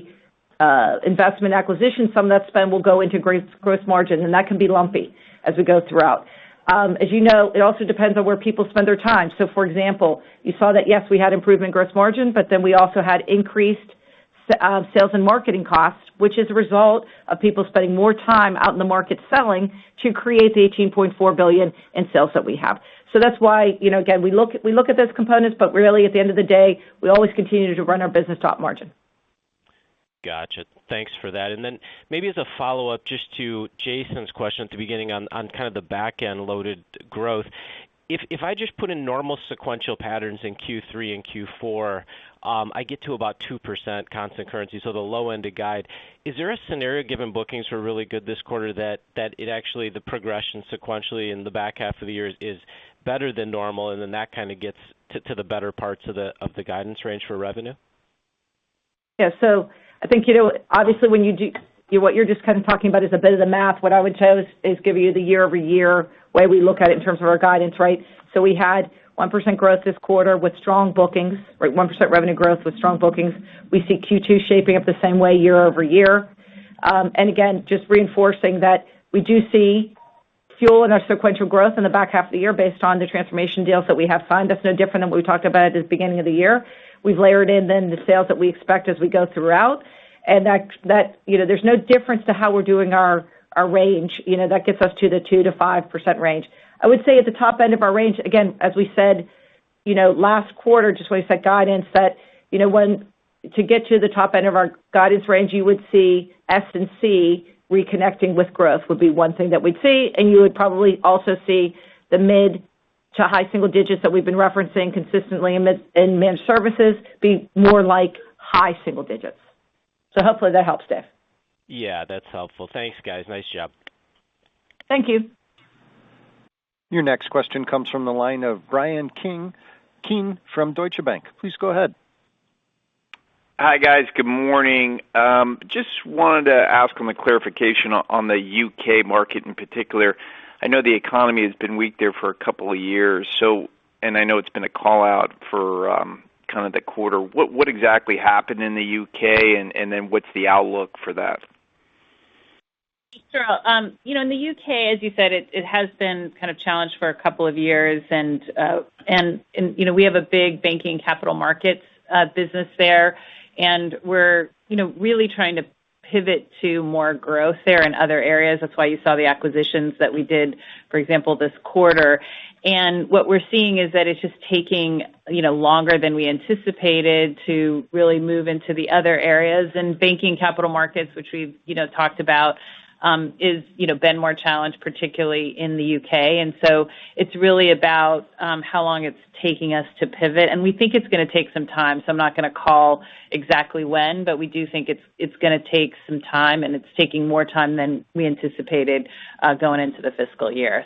investment acquisitions, some of that spend will go into gross, gross margin, and that can be lumpy as we go throughout. As you know, it also depends on where people spend their time. So, for example, you saw that, yes, we had improvement in gross margin, but then we also had increased sales and marketing costs, which is a result of people spending more time out in the market selling to create the $18.4 billion in sales that we have. So that's why, you know, again, we look, we look at those components, but really, at the end of the day, we always continue to run our business top margin. Gotcha. Thanks for that. And then maybe as a follow-up, just to Jason's question at the beginning on, on kind of the back-end-loaded growth. If I just put in normal sequential patterns in Q3 and Q4, I get to about 2% constant currency, so the low end of guide. Is there a scenario, given bookings were really good this quarter, that it actually, the progression sequentially in the back half of the year is better than normal, and then that kind of gets to the better parts of the guidance range for revenue? Yeah. So I think, you know, obviously, when you do... What you're just kind of talking about is a bit of the math. What I would tell is give you the year-over-year way we look at it in terms of our guidance, right? So we had 1% growth this quarter with strong bookings, right, 1% revenue growth with strong bookings. We see Q2 shaping up the same way year-over-year. And again, just reinforcing that we do see fuel in our sequential growth in the back half of the year based on the transformation deals that we have signed. That's no different than what we talked about at the beginning of the year. We've layered in, then, the sales that we expect as we go throughout, and that, you know, there's no difference to how we're doing our range, you know, that gets us to the 2%-5% range. I would say at the top end of our range, again, as we said, you know, last quarter, just when we set guidance, that, you know, when to get to the top end of our guidance range, you would see S&C reconnecting with growth, would be one thing that we'd see, and you would probably also see the mid- to high-single digits that we've been referencing consistently in managed services be more like high-single digits. So hopefully that helps, Dave. Yeah, that's helpful. Thanks, guys. Nice job. Thank you. Your next question comes from the line of Bryan Keane from Deutsche Bank. Please go ahead. Hi, guys. Good morning. Just wanted to ask on the clarification on the U.K. market in particular. I know the economy has been weak there for a couple of years, so and I know it's been a call-out for kind of the quarter. What exactly happened in the U.K., and then what's the outlook for that? Sure. You know, in the U.K., as you said, it has been kind of challenged for a couple of years. And you know, we have a big banking capital markets business there, and we're, you know, really trying to pivot to more growth there in other areas. That's why you saw the acquisitions that we did, for example, this quarter. And what we're seeing is that it's just taking, you know, longer than we anticipated to really move into the other areas. And banking capital markets, which we've, you know, talked about, is, you know, been more challenged, particularly in the U.K. So it's really about how long it's taking us to pivot, and we think it's gonna take some time, so I'm not gonna call exactly when, but we do think it's gonna take some time, and it's taking more time than we anticipated going into the fiscal year.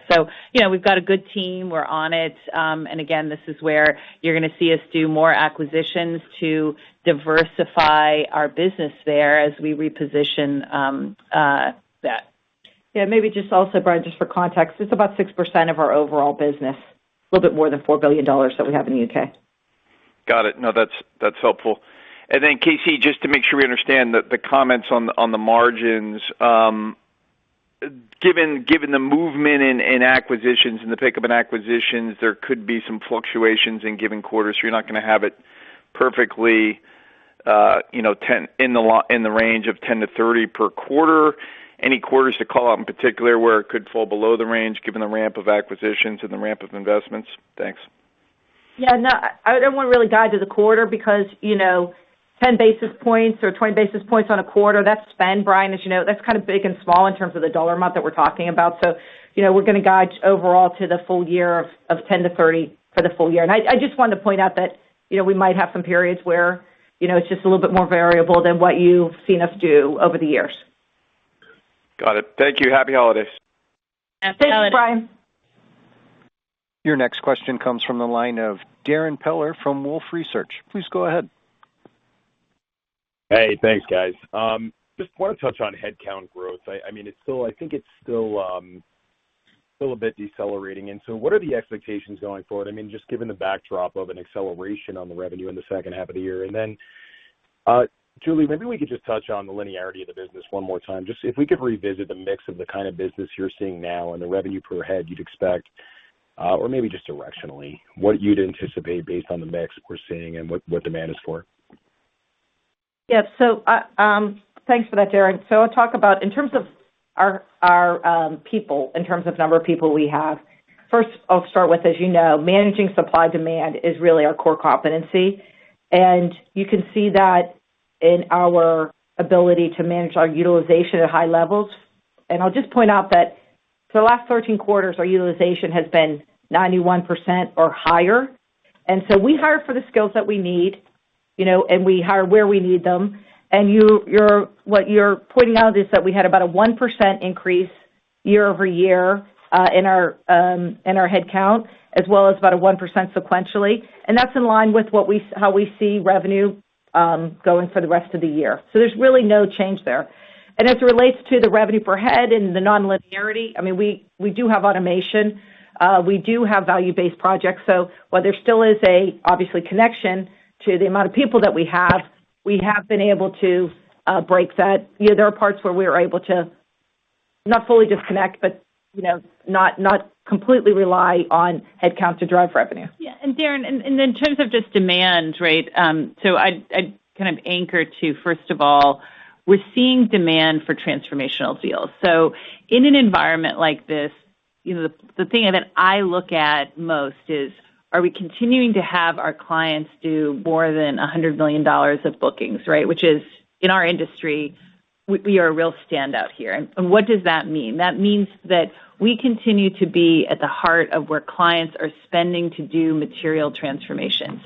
You know, we've got a good team. We're on it. And again, this is where you're gonna see us do more acquisitions to diversify our business there as we reposition that. Yeah, maybe just also, Bryan, just for context, it's about 6% of our overall business, a little bit more than $4 billion that we have in the U.K. Got it. No, that's, that's helpful. And then, KC, just to make sure we understand the, the comments on the, on the margins. Given, given the movement in, in acquisitions and the pickup in acquisitions, there could be some fluctuations in given quarters, so you're not gonna have it perfectly, you know, in the range of 10-30 per quarter. Any quarters to call out in particular where it could fall below the range, given the ramp of acquisitions and the ramp of investments? Thanks. Yeah. No, I, I don't want to really guide to the quarter because, you know, 10 basis points or 20 basis points on a quarter, that's spend, Brian, as you know, that's kind of big and small in terms of the dollar amount that we're talking about. So, you know, we're gonna guide overall to the full year of, of 10-30 for the full year. And I, I just wanted to point out that, you know, we might have some periods where, you know, it's just a little bit more variable than what you've seen us do over the years. Got it. Thank you. Happy holidays. Happy holidays. Thanks, Brian. Your next question comes from the line of Darrin Peller from Wolfe Research. Please go ahead. Hey, thanks, guys. Just want to touch on headcount growth. I mean, it's still—I think it's still still a bit decelerating, and so what are the expectations going forward? I mean, just given the backdrop of an acceleration on the revenue in the second half of the year. And then, Julie, maybe we could just touch on the linearity of the business one more time. Just if we could revisit the mix of the kind of business you're seeing now and the revenue per head you'd expect, or maybe just directionally, what you'd anticipate based on the mix that we're seeing and what demand is for. Yeah. So, thanks for that, Darrin. So I'll talk about in terms of our people, in terms of number of people we have. First, I'll start with, as you know, managing supply-demand is really our core competency, and you can see that in our ability to manage our utilization at high levels. And I'll just point out that for the last 13 quarters, our utilization has been 91% or higher. And so we hire for the skills that we need, you know, and we hire where we need them. And what you're pointing out is that we had about a 1% increase year-over-year in our headcount, as well as about a 1% sequentially, and that's in line with how we see revenue going for the rest of the year. There's really no change there. As it relates to the revenue per head and the non-linearity, I mean, we do have automation. We do have value-based projects. While there still is, obviously, a connection to the amount of people that we have, we have been able to break that. You know, there are parts where we are able to not fully disconnect, but, you know, not completely rely on headcount to drive revenue. Yeah, and Darrin, in terms of just demand, right? So I'd kind of anchor to, first of all, we're seeing demand for transformational deals. So in an environment like this, you know, the thing that I look at most is, are we continuing to have our clients do more than $100 million of bookings, right? Which is, in our industry, we are a real standout here. And what does that mean? That means that we continue to be at the heart of where clients are spending to do material transformations.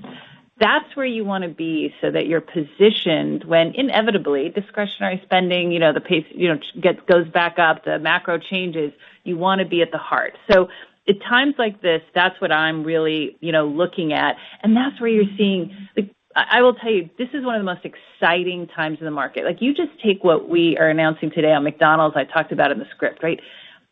That's where you want to be so that you're positioned when inevitably, discretionary spending, you know, the pace, you know, goes back up, the macro changes, you want to be at the heart. So at times like this, that's what I'm really, you know, looking at, and that's where you're seeing... Like, I will tell you, this is one of the most exciting times in the market. Like, you just take what we are announcing today on McDonald's, I talked about in the script, right?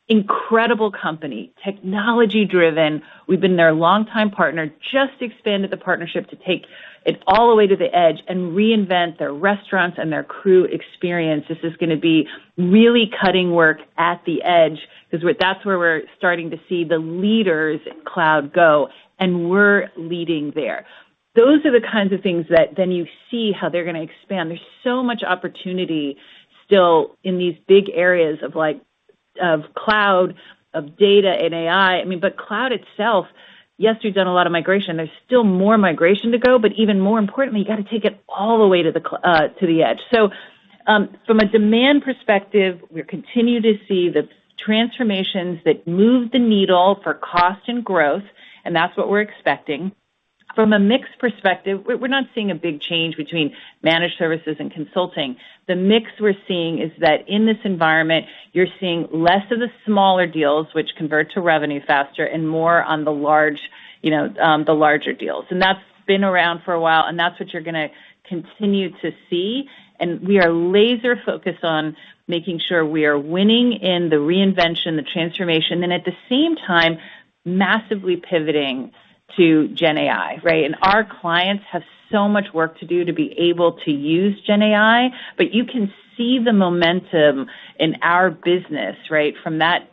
Incredible company, technology driven. We've been their long-time partner, just expanded the partnership to take it all the way to the edge and reinvent their restaurants and their crew experience. This is gonna be really cutting work at the edge, because that's where we're starting to see the leaders in cloud go, and we're leading there. Those are the kinds of things that then you see how they're gonna expand. There's so much opportunity still in these big areas of like, of cloud, of data and AI. I mean, but cloud itself, yes, we've done a lot of migration. There's still more migration to go, but even more importantly, you got to take it all the way to the edge. So, from a demand perspective, we continue to see the transformations that move the needle for cost and growth, and that's what we're expecting. From a mix perspective, we're, we're not seeing a big change between managed services and consulting. The mix we're seeing is that in this environment, you're seeing less of the smaller deals which convert to revenue faster and more on the large, you know, the larger deals, and that's been around for a while, and that's what you're gonna continue to see. And we are laser focused on making sure we are winning in the reinvention, the transformation, and at the same time, massively pivoting to GenAI, right? Our clients have so much work to do to be able to use GenAI, but you can see the momentum in our business, right, from that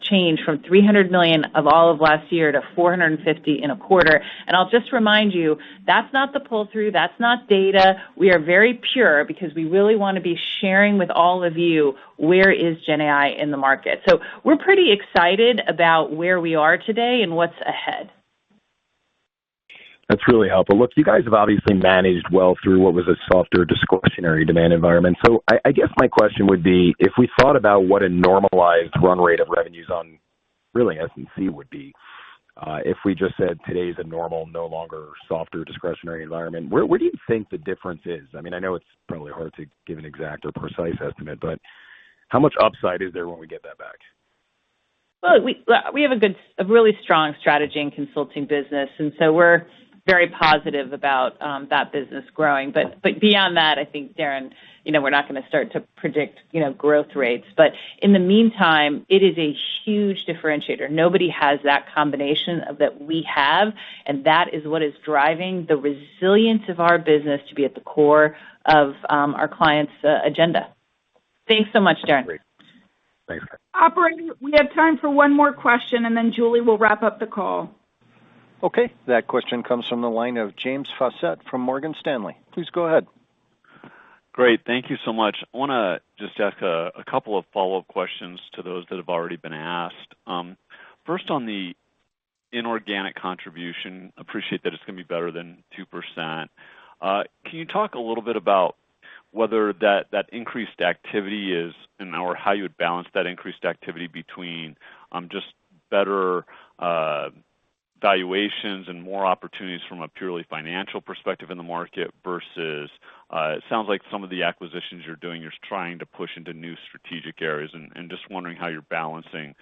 change from $300 million of all of last year to $450 million in a quarter. I'll just remind you, that's not the pull-through, that's not data. We are very pure because we really want to be sharing with all of you, where is GenAI in the market? We're pretty excited about where we are today and what's ahead. That's really helpful. Look, you guys have obviously managed well through what was a softer discretionary demand environment. So I guess my question would be: if we thought about what a normalized run rate of revenues on really S&P would be, if we just said today is a normal, no longer softer discretionary environment, where do you think the difference is? I mean, I know it's probably hard to give an exact or precise estimate, but how much upside is there when we get that back? Well, we have a really strong strategy in consulting business, and so we're very positive about that business growing. But beyond that, I think, Darrin, you know, we're not gonna start to predict, you know, growth rates. But in the meantime, it is a huge differentiator. Nobody has that combination of that we have, and that is what is driving the resilience of our business to be at the core of our clients' agenda. Thanks so much, Darrin. Great. Thanks. Operator, we have time for one more question, and then Julie will wrap up the call. Okay, that question comes from the line of James Faucette from Morgan Stanley. Please go ahead. Great. Thank you so much. I want to just ask a couple of follow-up questions to those that have already been asked. First, on the inorganic contribution, appreciate that it's going to be better than 2%. Can you talk a little bit about whether that increased activity is, and or how you would balance that increased activity between just better valuations and more opportunities from a purely financial perspective in the market, versus it sounds like some of the acquisitions you're doing, you're trying to push into new strategic areas and just wondering how you're balancing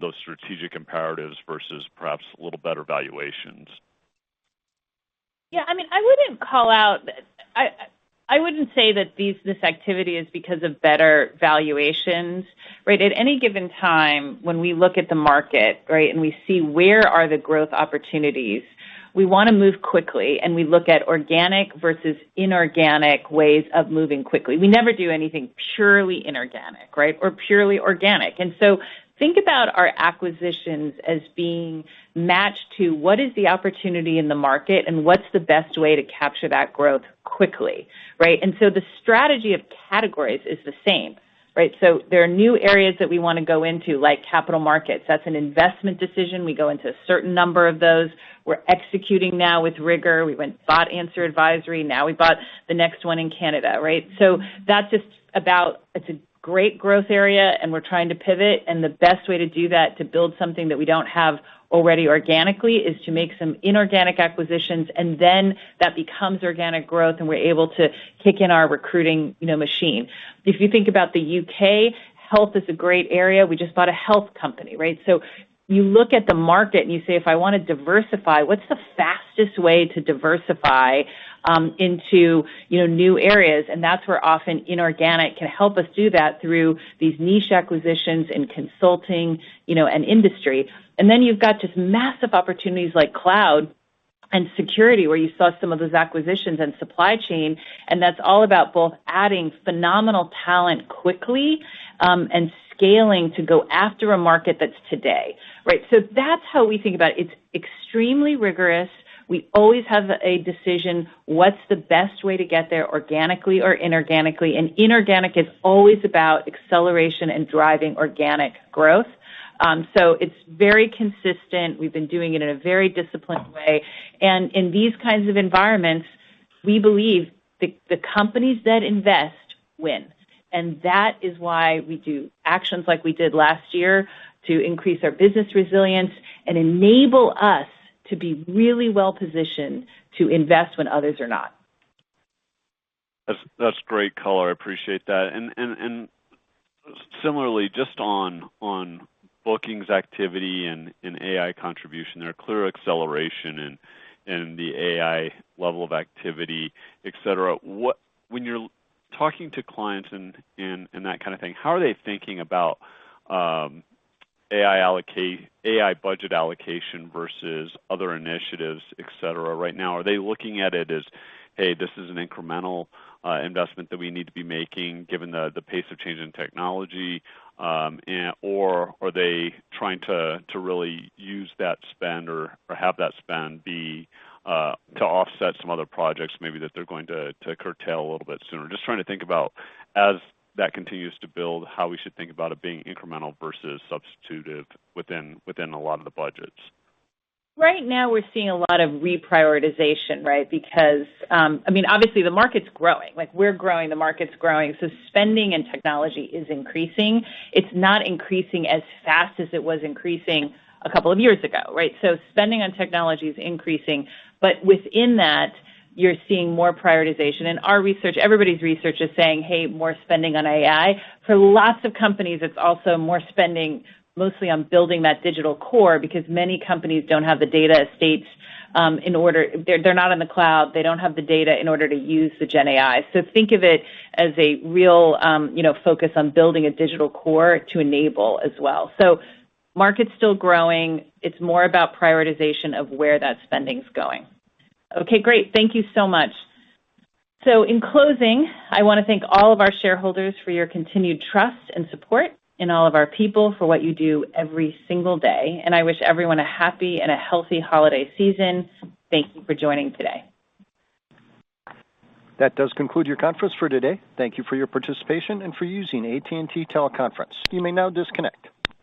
those strategic imperatives versus perhaps a little better valuations. Yeah, I mean, I wouldn't call out... I, I wouldn't say that these- this activity is because of better valuations, right? At any given time, when we look at the market, right, and we see where are the growth opportunities, we want to move quickly, and we look at organic versus inorganic ways of moving quickly. We never do anything purely inorganic, right, or purely organic. And so think about our acquisitions as being matched to what is the opportunity in the market and what's the best way to capture that growth quickly, right? And so the strategy of categories is the same, right? So there are new areas that we want to go into, like capital markets. That's an investment decision. We go into a certain number of those. We're executing now with rigor. We went- bought Anser Advisory, now we bought the next one in Canada, right? So that's just about, it's a great growth area, and we're trying to pivot, and the best way to do that, to build something that we don't have already organically, is to make some inorganic acquisitions, and then that becomes organic growth, and we're able to kick in our recruiting, you know, machine. If you think about the UK, health is a great area. We just bought a health company, right? So you look at the market and you say: If I want to diversify, what's the fastest way to diversify, into, you know, new areas? And that's where often inorganic can help us do that through these niche acquisitions in consulting, you know, and industry. And then you've got just massive opportunities like cloud and security, where you saw some of those acquisitions and supply chain, and that's all about both adding phenomenal talent quickly, and scaling to go after a market that's today, right? So that's how we think about it. It's extremely rigorous. We always have a decision, what's the best way to get there, organically or inorganically? And inorganic is always about acceleration and driving organic growth. So it's very consistent. We've been doing it in a very disciplined way, and in these kinds of environments, we believe the companies that invest, win. And that is why we do actions like we did last year to increase our business resilience and enable us to be really well positioned to invest when others are not. That's great color. I appreciate that. And similarly, just on bookings, activity, and AI contribution, there are clear acceleration in the AI level of activity, et cetera. When you're talking to clients and that kind of thing, how are they thinking about AI budget allocation versus other initiatives, et cetera, right now? Are they looking at it as, hey, this is an incremental investment that we need to be making given the pace of change in technology? Or are they trying to really use that spend or have that spend be to offset some other projects maybe that they're going to curtail a little bit sooner? Just trying to think about as that continues to build, how we should think about it being incremental versus substitutive within, within a lot of the budgets. Right now, we're seeing a lot of reprioritization, right? Because, I mean, obviously the market's growing. Like, we're growing, the market's growing, so spending in technology is increasing. It's not increasing as fast as it was increasing a couple of years ago, right? So spending on technology is increasing, but within that, you're seeing more prioritization. And our research, everybody's research, is saying, "Hey, more spending on AI." For lots of companies, it's also more spending, mostly on building that digital core, because many companies don't have the data estates in order. They're not in the cloud. They don't have the data in order to use the GenAI. So think of it as a real you know focus on building a digital core to enable as well. So market's still growing. It's more about prioritization of where that spending is going. Okay, great. Thank you so much. So in closing, I want to thank all of our shareholders for your continued trust and support, and all of our people for what you do every single day. And I wish everyone a happy and a healthy holiday season. Thank you for joining today. That does conclude your conference for today. Thank you for your participation and for using AT&T Teleconference. You may now disconnect.